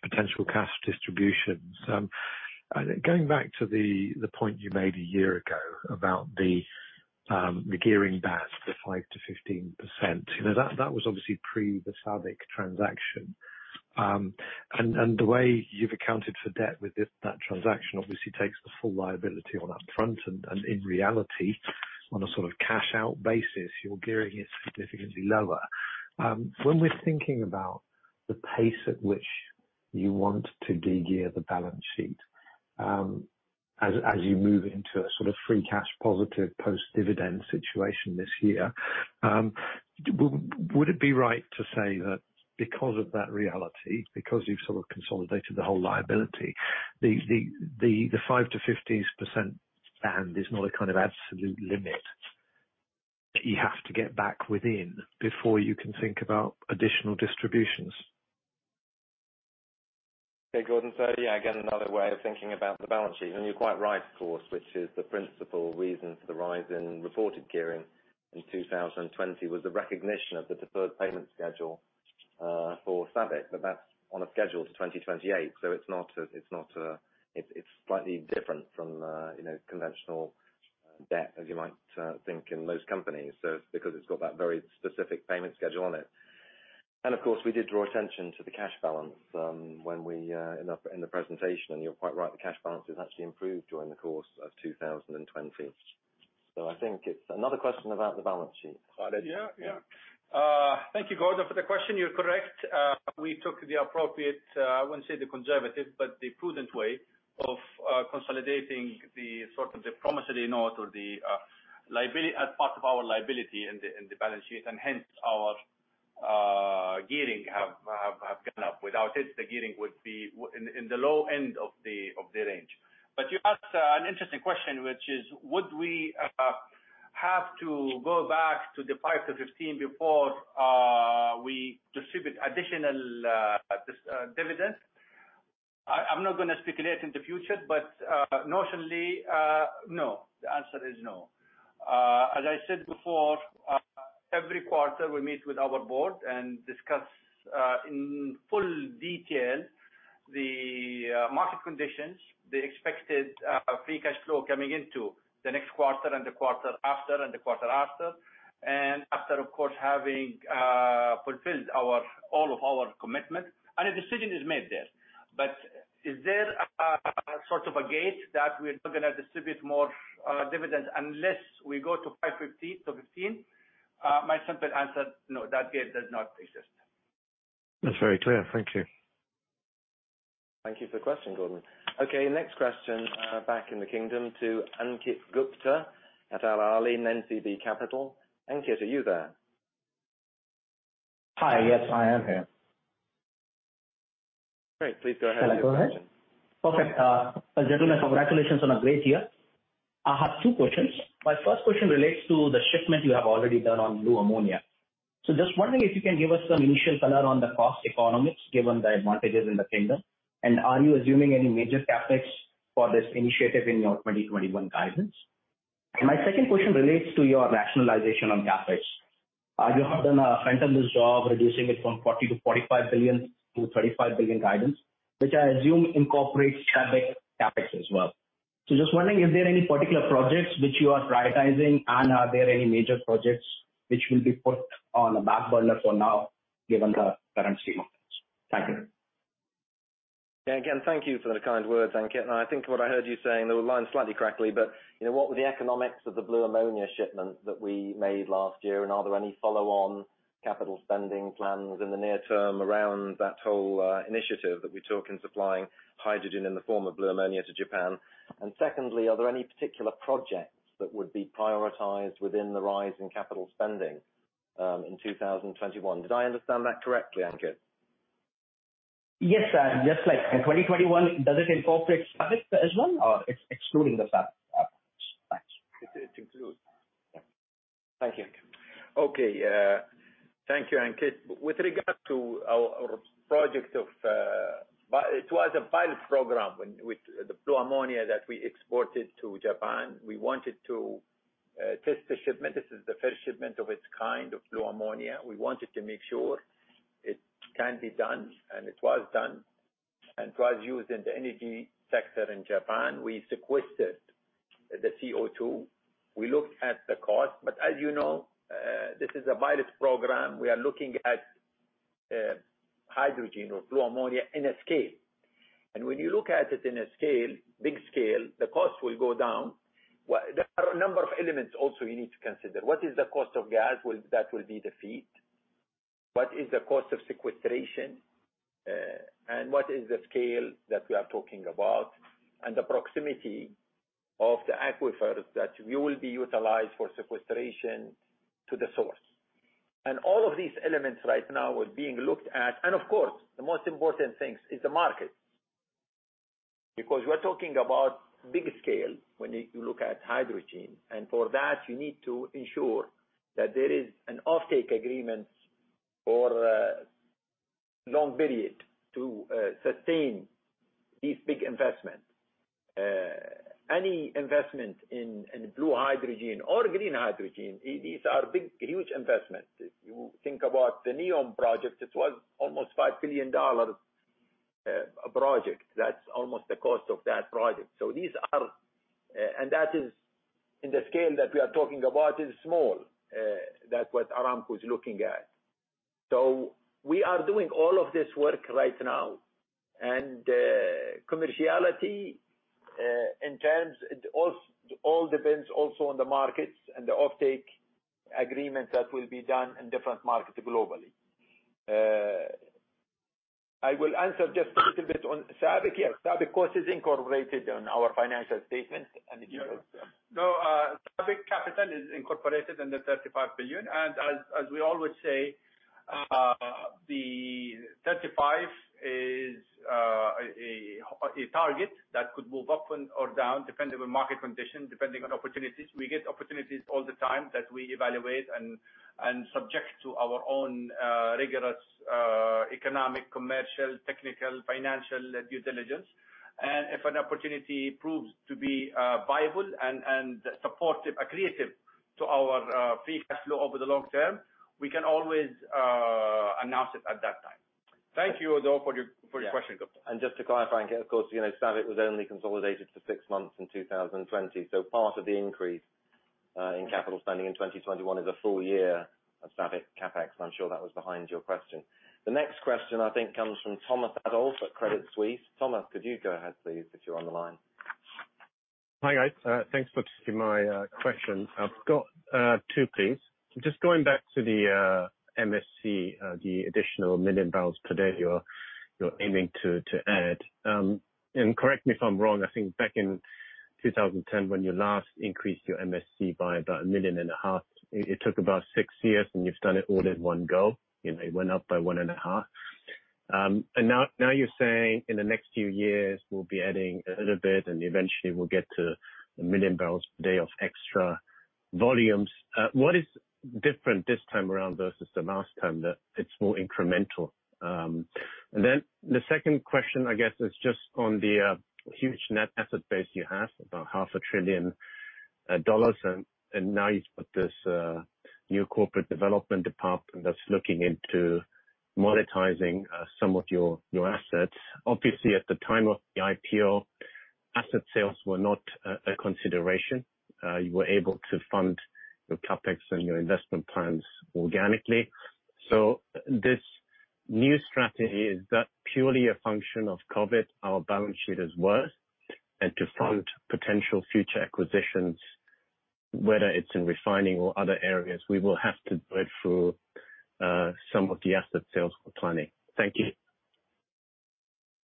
potential cash distributions. Going back to the point you made a year ago about the gearing back to 5%-15%, that was obviously pre the SABIC transaction. The way you've accounted for debt with that transaction obviously takes the full liability on that front. In reality, on a sort of cash-out basis, your gearing is significantly lower. When we're thinking about the pace at which you want to de-gear the balance sheet, as you move into a sort of free cash positive post-dividend situation this year, would it be right to say that because of that reality, because you've sort of consolidated the whole liability, the 5%-15% band is not a kind of absolute limit that you have to get back within before you can think about additional distributions? Okay, Gordon. Yeah, again, another way of thinking about the balance sheet. You're quite right, of course, which is the principal reason for the rise in reported gearing in 2020 was the recognition of the deferred payment schedule for SABIC. That's on a schedule to 2028, so it's slightly different from conventional debt as you might think in most companies, because it's got that very specific payment schedule on it. Of course, we did draw attention to the cash balance in the presentation. You're quite right, the cash balance has actually improved during the course of 2020. I think it's another question about the balance sheet, Khalid. Yeah. Thank you, Gordon, for the question. You're correct. We took the appropriate, I wouldn't say the conservative, but the prudent way of consolidating the sort of the promissory note as part of our liability in the balance sheet, hence our gearing have gone up. Without it, the gearing would be in the low end of the range. You asked an interesting question, which is, would we have to go back to the 5%-15% before we distribute additional dividends? I'm not going to speculate in the future. Notionally, no. The answer is no. As I said before, every quarter we meet with our board and discuss in full detail the market conditions, the expected free cash flow coming into the next quarter and the quarter after, and the quarter after. After, of course, having fulfilled all of our commitments, and a decision is made there. Is there a sort of a gate that we are not going to distribute more dividends unless we go to 5% to 15%? My simple answer, no, that gate does not exist. That's very clear. Thank you. Thank you for the question, Gordon. Okay, next question, back in the Kingdom to Ankit Gupta at AlAhli NCB Capital. Ankit, are you there? Hi. Yes, I am here. Great. Please go ahead with your question. Okay. Gentlemen, congratulations on a great year. I have two questions. My first question relates to the shipment you have already done on blue ammonia. Just wondering if you can give us some initial color on the cost economics, given the advantages in the Kingdom, and are you assuming any major CapEx for this initiative in your 2021 guidance? My second question relates to your rationalization on CapEx. You have done a tremendous job reducing it from $40 billion-$45 billion to $35 billion guidance, which I assume incorporates SABIC CapEx as well. Just wondering if there are any particular projects which you are prioritizing, and are there any major projects which will be put on the back burner for now given the current stream of things. Thank you. Yeah. Again, thank you for the kind words, Ankit. I think what I heard you saying, they were lined slightly crackly, but what were the economics of the blue ammonia shipment that we made last year, are there any follow-on capital spending plans in the near term around that whole initiative that we took in supplying hydrogen in the form of blue ammonia to Japan? Secondly, are there any particular projects that would be prioritized within the rise in capital spending, in 2021? Did I understand that correctly, Ankit? Yes, sir. Just like in 2021, does it incorporate SABIC as well or it's excluding the SABIC? Thanks. It includes. Thank you. Okay. Thank you, Ankit. With regard to our project, it was a pilot program with the blue ammonia that we exported to Japan. We wanted to test the shipment. This is the first shipment of its kind of blue ammonia. We wanted to make sure it can be done, and it was done. It was used in the energy sector in Japan. We sequestered the CO2. We looked at the cost. As you know, this is a pilot program. We are looking at hydrogen or blue ammonia in a scale. When you look at it in a scale, big scale, the cost will go down. There are a number of elements also you need to consider. What is the cost of gas that will be the feed? What is the cost of sequestration? What is the scale that we are talking about? The proximity of the aquifers that we will be utilized for sequestration to the source. All of these elements right now are being looked at. Of course, the most important thing is the market. We're talking about big scale when you look at hydrogen. For that, you need to ensure that there is an offtake agreement for a long period to sustain these big investments. Any investment in blue hydrogen or green hydrogen, these are big, huge investments. If you think about the Neom project, it was almost a $5 billion project. That's almost the cost of that project. That is in the scale that we are talking about is small, that what Aramco is looking at. We are doing all of this work right now. Commerciality, it all depends also on the markets and the offtake agreements that will be done in different markets globally. I will answer just a little bit on SABIC. Yes, SABIC cost is incorporated on our financial statement. No, SABIC capital is incorporated in the 35 billion. As we always say, the 35 is a target that could move up or down depending on market condition, depending on opportunities. We get opportunities all the time that we evaluate and subject to our own rigorous economic, commercial, technical, financial due diligence. If an opportunity proves to be viable and accretive to our free cash flow over the long term, we can always announce it at that time. Thank you though for your question, Gupta. Just to clarify, Ankit, of course, SABIC was only consolidated for six months in 2020. Part of the increase in capital spending in 2021 is a full year of SABIC CapEx, and I'm sure that was behind your question. The next question I think comes from Thomas Adolff at Credit Suisse. Thomas, could you go ahead please if you're on the line? Hi, guys. Thanks for taking my question. I've got two, please. Just going back to the MSC, the additional million barrels per day you're aiming to add. Correct me if I'm wrong, I think back in 2010, when you last increased your MSC by about 1.5 million, it took about six years, and you've done it all in one go. It went up by 1.5 million. Now you're saying in the next few years, we'll be adding a little bit, and eventually we'll get to a million barrels per day of extra volumes. What is different this time around versus the last time that it's more incremental? The second question, I guess, is just on the huge net asset base you have, about half a trillion dollars, and now you've got this new corporate development department that's looking into monetizing some of your assets. Obviously, at the time of the IPO, asset sales were not a consideration. You were able to fund your CapEx and your investment plans organically. This new strategy, is that purely a function of COVID? Our balance sheet is worse, and to fund potential future acquisitions, whether it's in refining or other areas, we will have to go through some of the asset sales planning. Thank you.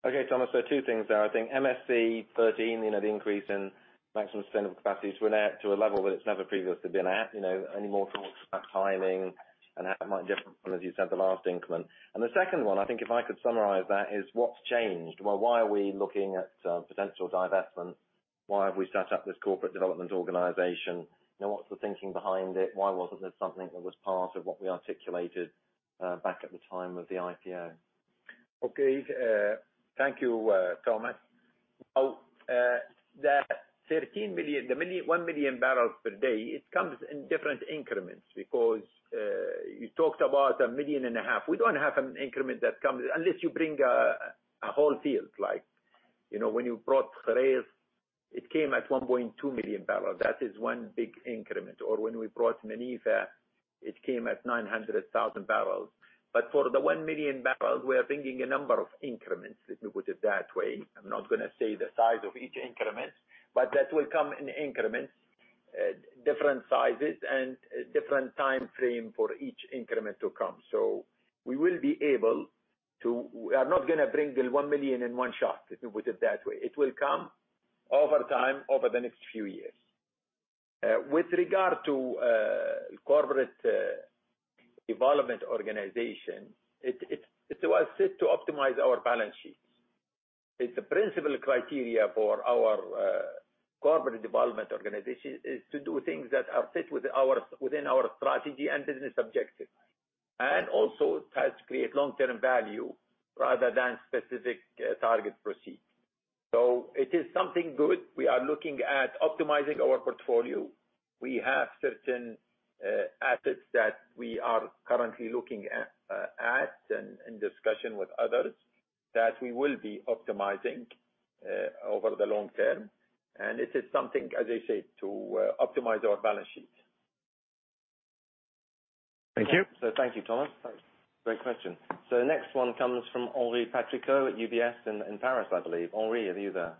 Okay, Thomas. Two things there. I think MSC 13, the increase in maximum sustainable capacity. We're now to a level that it's never previously been at. Any more thoughts about timing and how it might differ from, as you said, the last increment. The second one, I think if I could summarize that, is what's changed? Well, why are we looking at potential divestment? Why have we set up this corporate development organization? What's the thinking behind it? Why wasn't this something that was part of what we articulated back at the time of the IPO? Okay. Thank you, Thomas. That 13 million, the 1 MMbpd, it comes in different increments because you talked about 1.5 million. We don't have an increment that comes, unless you bring a whole field like when you brought Khurais, it came at 1.2 MMbbl. That is one big increment. When we brought Manifa, it came at 900,000 bbl. For the 1 MMbbl, we are bringing a number of increments, let me put it that way. I'm not going to say the size of each increment, but that will come in increments, different sizes and different time frame for each increment to come. We are not going to bring the 1 million in one shot, let me put it that way. It will come over time, over the next few years With regard to corporate development organization, it was set to optimize our balance sheets. It's a principal criteria for our corporate development organization, is to do things that are fit within our strategy and business objectives, and also tries to create long-term value rather than specific target proceeds. It is something good. We are looking at optimizing our portfolio. We have certain assets that we are currently looking at and in discussion with others that we will be optimizing over the long term. It is something, as I said, to optimize our balance sheet. Thank you. Thank you, Thomas. Great question. The next one comes from Henri Patricot at UBS in Paris, I believe. Henri, are you there?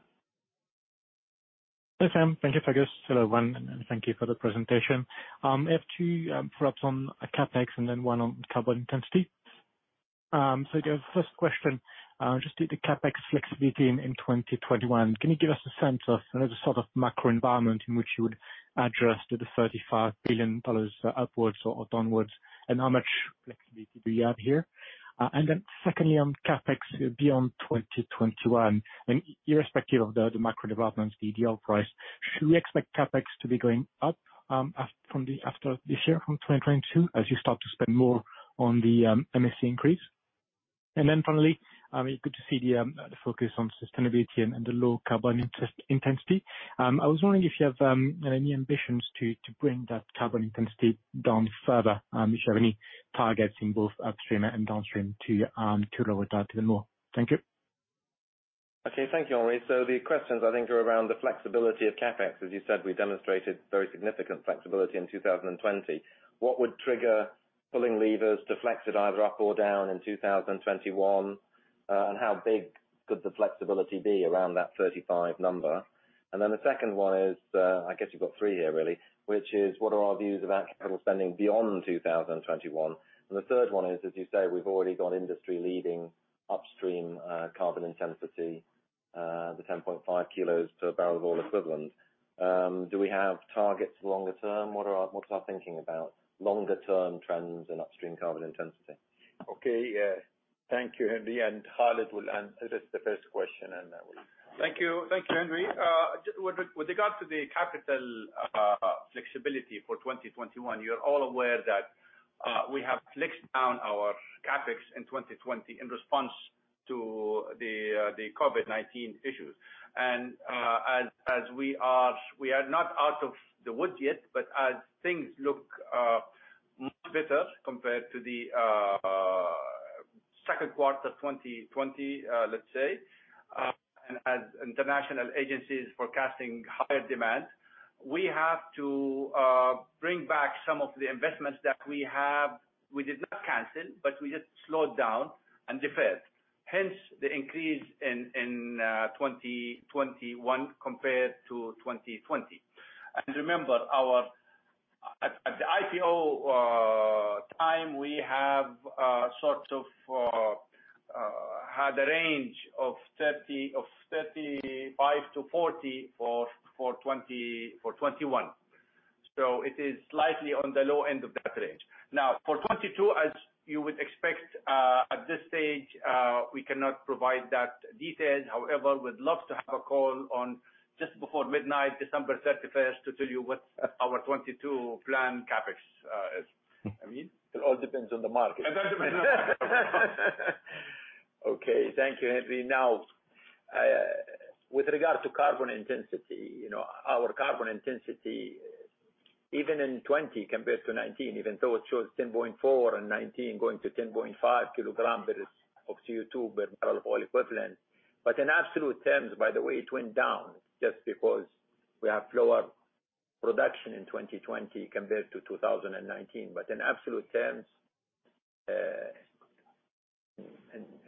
Yes, sir. Thank you, Fergus. Hello, everyone, and thank you for the presentation. I have two perhaps on CapEx and then one on carbon intensity. The first question, just with the CapEx flexibility in 2021, can you give us a sense of the sort of macro environment in which you would address the SAR 35 billion upwards or downwards, and how much flexibility do you have here? Secondly, on CapEx beyond 2021, and irrespective of the macro developments, the deal price, should we expect CapEx to be going up after this year, from 2022, as you start to spend more on the MSC increase? Finally, good to see the focus on sustainability and the low carbon intensity. I was wondering if you have any ambitions to bring that carbon intensity down further, if you have any targets in both upstream and downstream to lower that even more. Thank you. Okay. Thank you, Henri. The questions, I think, are around the flexibility of CapEx. As you said, we demonstrated very significant flexibility in 2020. What would trigger pulling levers to flex it either up or down in 2021? How big could the flexibility be around that 35 number? The second one is, I guess you've got three here really, which is what are our views of our capital spending beyond 2021? The third one is, as you say, we've already got industry-leading upstream carbon intensity, the 10.5 kilos to a barrel of oil equivalent. Do we have targets longer term? What are our thinking about longer-term trends in upstream carbon intensity? Okay. Thank you, Henri. Khalid will answer just the first question, then I will. Thank you. Thank you, Henri. With regard to the capital flexibility for 2021, you're all aware that we have flexed down our CapEx in 2020 in response to the COVID-19 issues. As we are not out of the woods yet, but as things look much better compared to the second quarter 2020, let's say, and as international agencies forecasting higher demand, we have to bring back some of the investments that we have. We did not cancel, but we just slowed down and deferred. Hence, the increase in 2021 compared to 2020. Remember, at the IPO time, we have sort of had a range of $35 billion-$40 billion for 2021. It is slightly on the low end of that range. Now, for 2022, as you would expect, at this stage, we cannot provide that detail. However, we'd love to have a call on just before midnight, December 31st, to tell you what our 2022 plan CapEx is. Amin? It all depends on the market. It all depends on the market. Thank you, Henri. With regard to carbon intensity, our carbon intensity, even in 2020 compared to 2019, even though it shows 10.4 in 2019, going to 10.5 kilogram of CO2 per barrel of oil equivalent. In absolute terms, by the way, it went down just because we have lower production in 2020 compared to 2019. In absolute terms,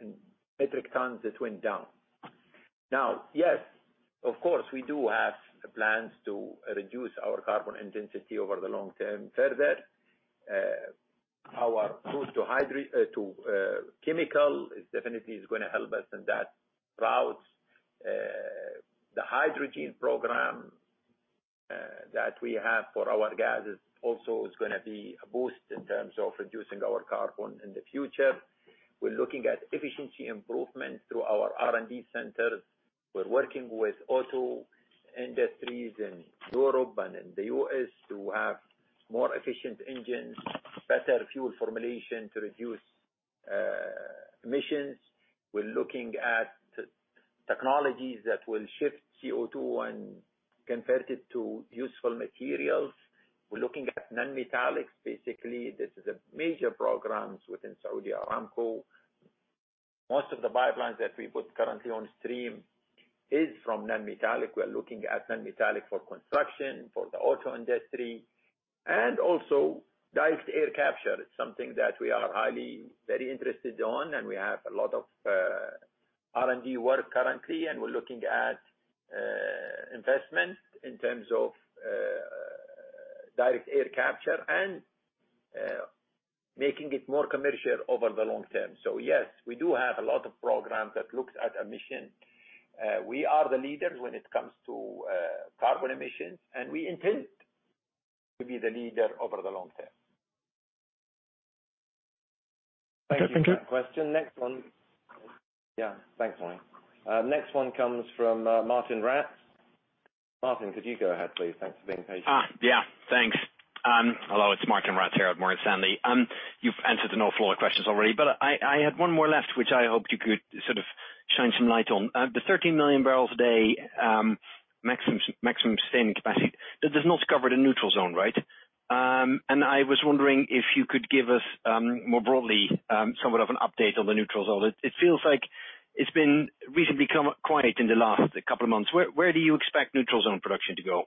in metric tons, it went down. Yes, of course, we do have plans to reduce our carbon intensity over the long term further. Our move to chemical is definitely is going to help us in that route. The hydrogen program that we have for our gas also is going to be a boost in terms of reducing our carbon in the future. We're looking at efficiency improvement through our R&D centers. We're working with auto industries in Europe and in the U.S. to have more efficient engines, better fuel formulation to reduce emissions. We're looking at technologies that will shift CO2 and convert it to useful materials. We're looking at non-metallics. Basically, this is a major program within Saudi Aramco. Most of the pipelines that we put currently on stream is from non-metallic. We are looking at non-metallic for construction, for the auto industry, and also direct air capture. It's something that we are highly, very interested on, and we have a lot of R&D work currently, and we're looking at investment in terms of direct air capture and making it more commercial over the long term. Yes, we do have a lot of programs that looks at emission. We are the leaders when it comes to carbon emissions, and we intend to be the leader over the long term. Thank you. Thank you for that question. Next one. Yeah, thanks, Wayne. Next one comes from Martijn Rats. Martijn, could you go ahead, please? Thanks for being patient. Yeah. Thanks. Hello, it's Martijn Rats here at Morgan Stanley. You've answered an awful lot of questions already, but I had one more left, which I hoped you could sort of shine some light on. The 13 MMbpd maximum sustained capacity, that does not cover the Neutral Zone, right? I was wondering if you could give us, more broadly, somewhat of an update on the Neutral Zone. It feels like it's been recently quiet in the last couple of months. Where do you expect Neutral Zone production to go?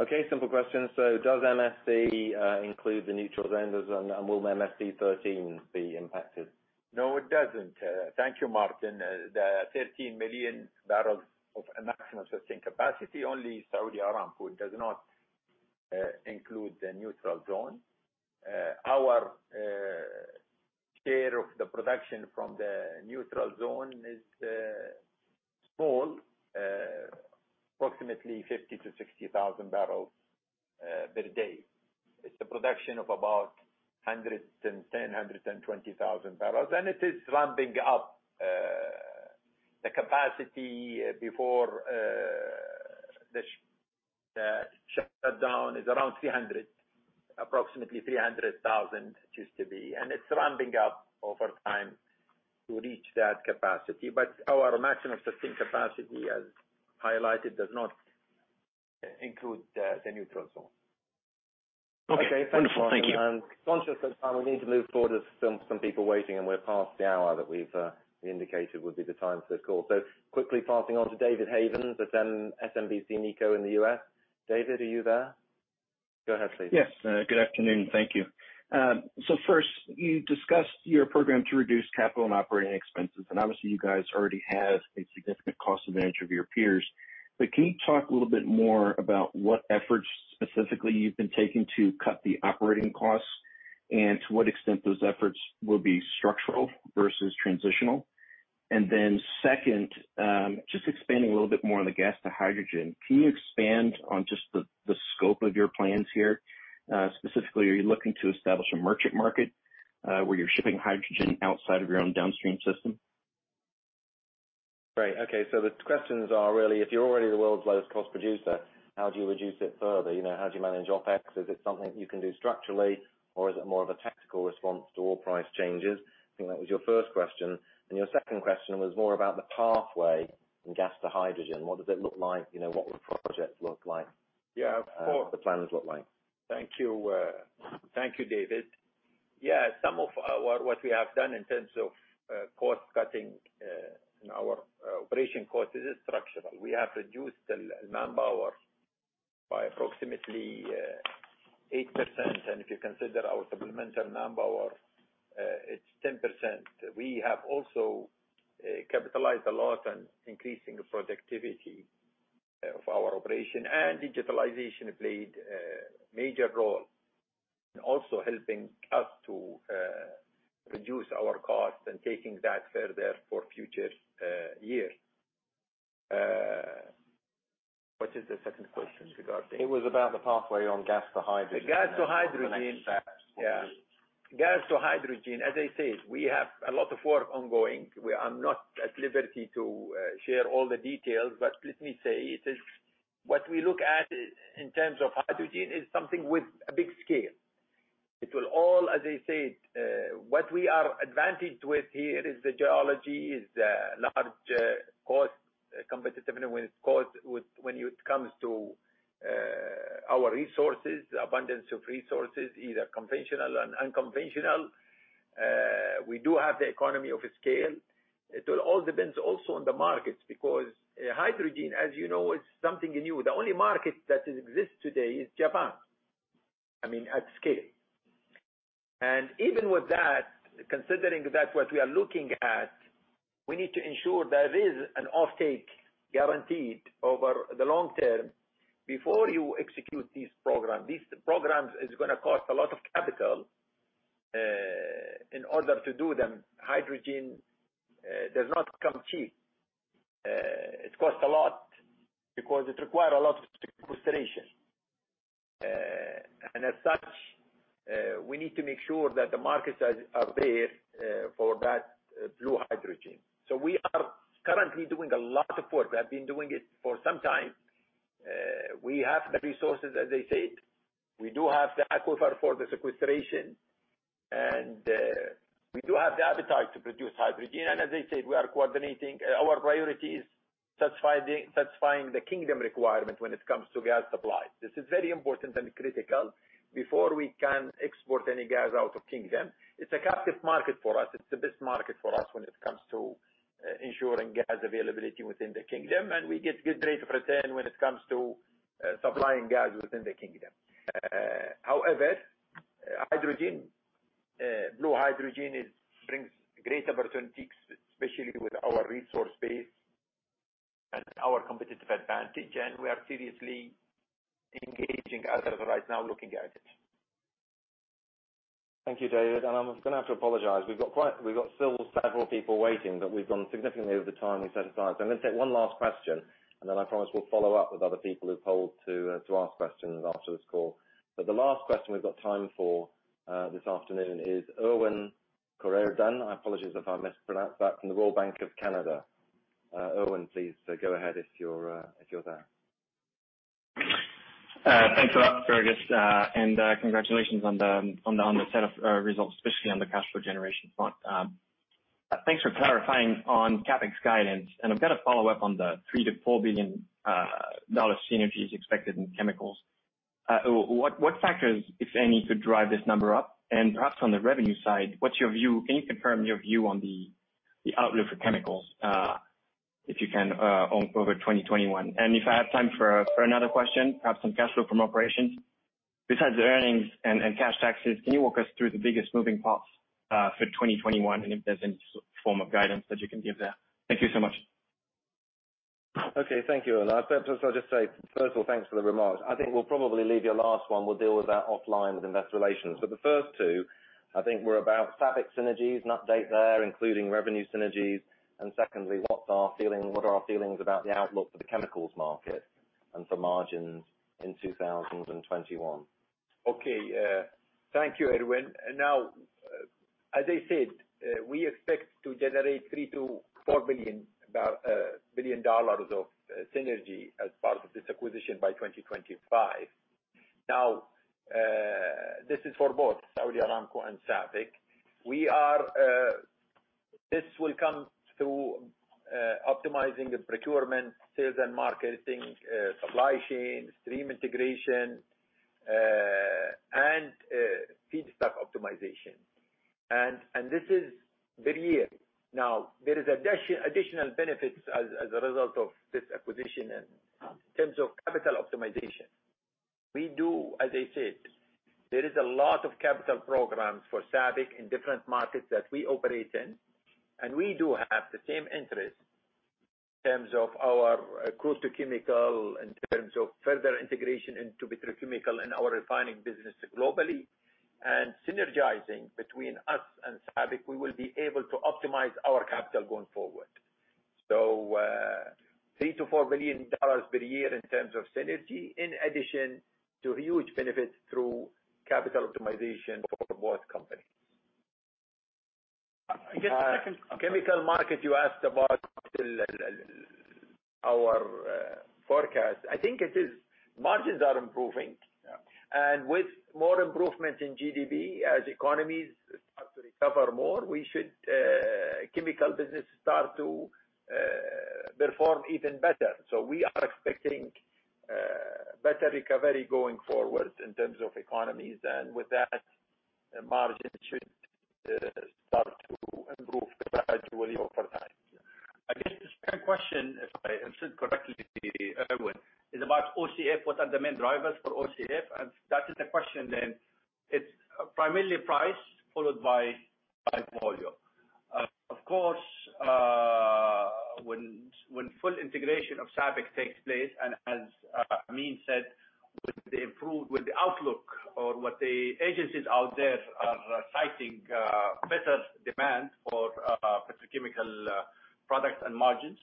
Okay, simple question. Does MSC include the neutral zone, and will MSC 13 be impacted? No, it doesn't. Thank you, Martijn. The 13 mmbbl of maximum sustained capacity, only Saudi Aramco does not include the neutral zone. Our share of the production from the neutral zone is small, approximately 50,000 to 60,000 barrels per day. It's a production of about 110,000, 120,000 bbl. It is ramping up. The capacity before the shutdown is around 300, approximately 300,000 it used to be. It's ramping up over time to reach that capacity. Our maximum sustained capacity, as highlighted, does not include the neutral zone. Okay. Wonderful. Thank you. Okay. Thanks, Martijn. Conscious of time, we need to move forward. There are some people waiting, and we're past the hour that we've indicated would be the time for the call. Quickly passing on to David Havens at SMBC Nikko in the U.S. David, are you there? Go ahead, please. Yes. Good afternoon. Thank you. First, you discussed your program to reduce capital and operating expenses, and obviously, you guys already have a significant cost advantage over your peers. Can you talk a little bit more about what efforts specifically you've been taking to cut the operating costs and to what extent those efforts will be structural versus transitional? Second, just expanding a little bit more on the gas to hydrogen. Can you expand on just the scope of your plans here? Specifically, are you looking to establish a merchant market, where you're shipping hydrogen outside of your own downstream system? Great. Okay. The questions are really, if you're already the world's lowest cost producer, how do you reduce it further? How do you manage OpEx? Is it something you can do structurally, or is it more of a tactical response to oil price changes? I think that was your first question. Your second question was more about the pathway from gas to hydrogen. What does it look like? What will the project look like? Yeah. What will the plans look like? Thank you. Thank you, David. Yeah. Some of what we have done in terms of cost cutting in our operation cost is structural. We have reduced the man hours by approximately 8%, and if you consider our supplemental man hours, it's 10%. We have also capitalized a lot on increasing productivity of our operation, and digitalization played a major role in also helping us to reduce our cost and taking that further for future years. What is the second question regarding? It was about the pathway on gas to hydrogen. The gas to hydrogen. The next steps for you. Yeah. Gas to hydrogen, as I said, we have a lot of work ongoing. I'm not at liberty to share all the details, but let me say, what we look at in terms of hydrogen is something with a big scale. It will all, as I said, what we are advantaged with here is the geology, is large cost competitiveness when it comes to our resources, abundance of resources, either conventional and unconventional. We do have the economy of scale. It will all depend also on the markets, because hydrogen, as you know, is something new. The only market that exists today is Japan. I mean, at scale. Even with that, considering that what we are looking at, we need to ensure there is an offtake guaranteed over the long term before you execute these programs. These programs is going to cost a lot of capital. In order to do them, hydrogen does not come cheap. It costs a lot because it requires a lot of sequestration. As such, we need to make sure that the markets are there for that blue hydrogen. We are currently doing a lot of work. We have been doing it for some time. We have the resources, as I said. We do have the aquifer for the sequestration, and we do have the appetite to produce hydrogen. As I said, we are coordinating our priorities, satisfying the Kingdom requirement when it comes to gas supply. This is very important and critical before we can export any gas out of Kingdom. It's a captive market for us. It's the best market for us when it comes to ensuring gas availability within the Kingdom, and we get a good rate of return when it comes to supplying gas within the Kingdom. However, blue hydrogen brings great opportunities, especially with our resource base and our competitive advantage, and we are seriously engaging as of right now looking at it. Thank you, David. I'm going to have to apologize. We've got still several people waiting, but we've gone significantly over the time we set aside. I'm going to take one last question, and then I promise we'll follow up with other people who polled to ask questions after this call. The last question we've got time for this afternoon is Erwan Kerouredan. I apologize if I mispronounced that, from the Royal Bank of Canada. Erwin, please go ahead if you're there. Thanks a lot, Fergus. Congratulations on the set of results, especially on the cash flow generation front. Thanks for clarifying on CapEx guidance. I've got a follow-up on the $3 billion-$4 billion synergies expected in chemicals. What factors, if any, could drive this number up? Perhaps on the revenue side, can you confirm your view on the outlook for chemicals, if you can, over 2021? If I have time for another question, perhaps on cash flow from operations. Besides the earnings and cash taxes, can you walk us through the biggest moving parts for 2021? If there's any form of guidance that you can give there? Thank you so much. Okay. Thank you, Erwin. I'll just say, first of all, thanks for the remarks. I think we'll probably leave your last one. We'll deal with that offline with investor relations. The first two, I think were about SABIC synergies and update there, including revenue synergies, and secondly, what are our feelings about the outlook for the chemicals market and for margins in 2021. Thank you, Erwin. As I said, we expect to generate $3 billion-$4 billion of synergy as part of this acquisition by 2025. This is for both Saudi Aramco and SABIC. This will come through optimizing the procurement, sales and marketing, supply chain, stream integration, and feedstock optimization. This is per year. There is additional benefits as a result of this acquisition in terms of capital optimization. As I said, there is a lot of capital programs for SABIC in different markets that we operate in, and we do have the same interest in terms of our crude to chemical, in terms of further integration into petrochemical and our refining business globally. Synergizing between us and SABIC, we will be able to optimize our capital going forward. $3 billion-$4 billion per year in terms of synergy, in addition to huge benefits through capital optimization for both companies. I guess the second. Chemical market you asked about our forecast. I think margins are improving. Yeah. With more improvement in GDP as economies start to recover more, chemical business start to perform even better. We are expecting better recovery going forward in terms of economies. With that, margin should start to improve gradually over time. I guess the second question, if I understood correctly, Erwin, is about OCF. What are the main drivers for OCF? That is the question then. It's primarily price followed by volume. Of course, when full integration of SABIC takes place and as Amin said, with the outlook or what the agencies out there are citing better demand for petrochemical products and margins.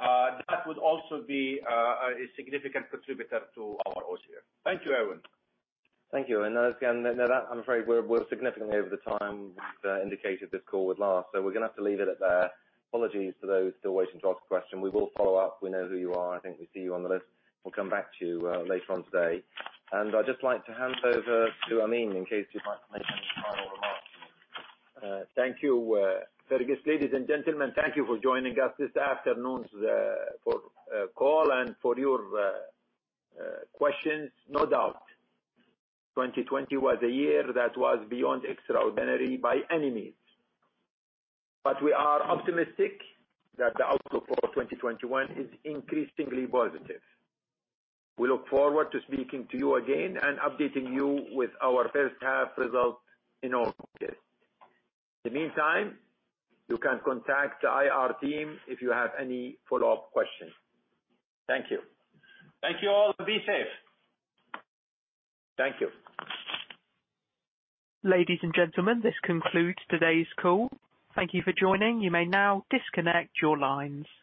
That would also be a significant contributor to our OCF. Thank you, Erwin. Thank you. Again, I'm afraid we're significantly over the time we indicated this call would last. We're going to have to leave it at that. Apologies to those still waiting to ask a question. We will follow up. We know who you are. I think we see you on the list. We'll come back to you later on today. I'd just like to hand over to Amin in case you'd like to make any final remarks. Thank you, Fergus. Ladies and gentlemen, thank you for joining us this afternoon for call and for your questions. No doubt, 2020 was a year that was beyond extraordinary by any means. We are optimistic that the outlook for 2021 is increasingly positive. We look forward to speaking to you again and updating you with our first half results in August. In the meantime, you can contact the IR team if you have any follow-up questions. Thank you. Thank you all and be safe. Thank you. Ladies and gentlemen, this concludes today's call. Thank you for joining. You may now disconnect your lines.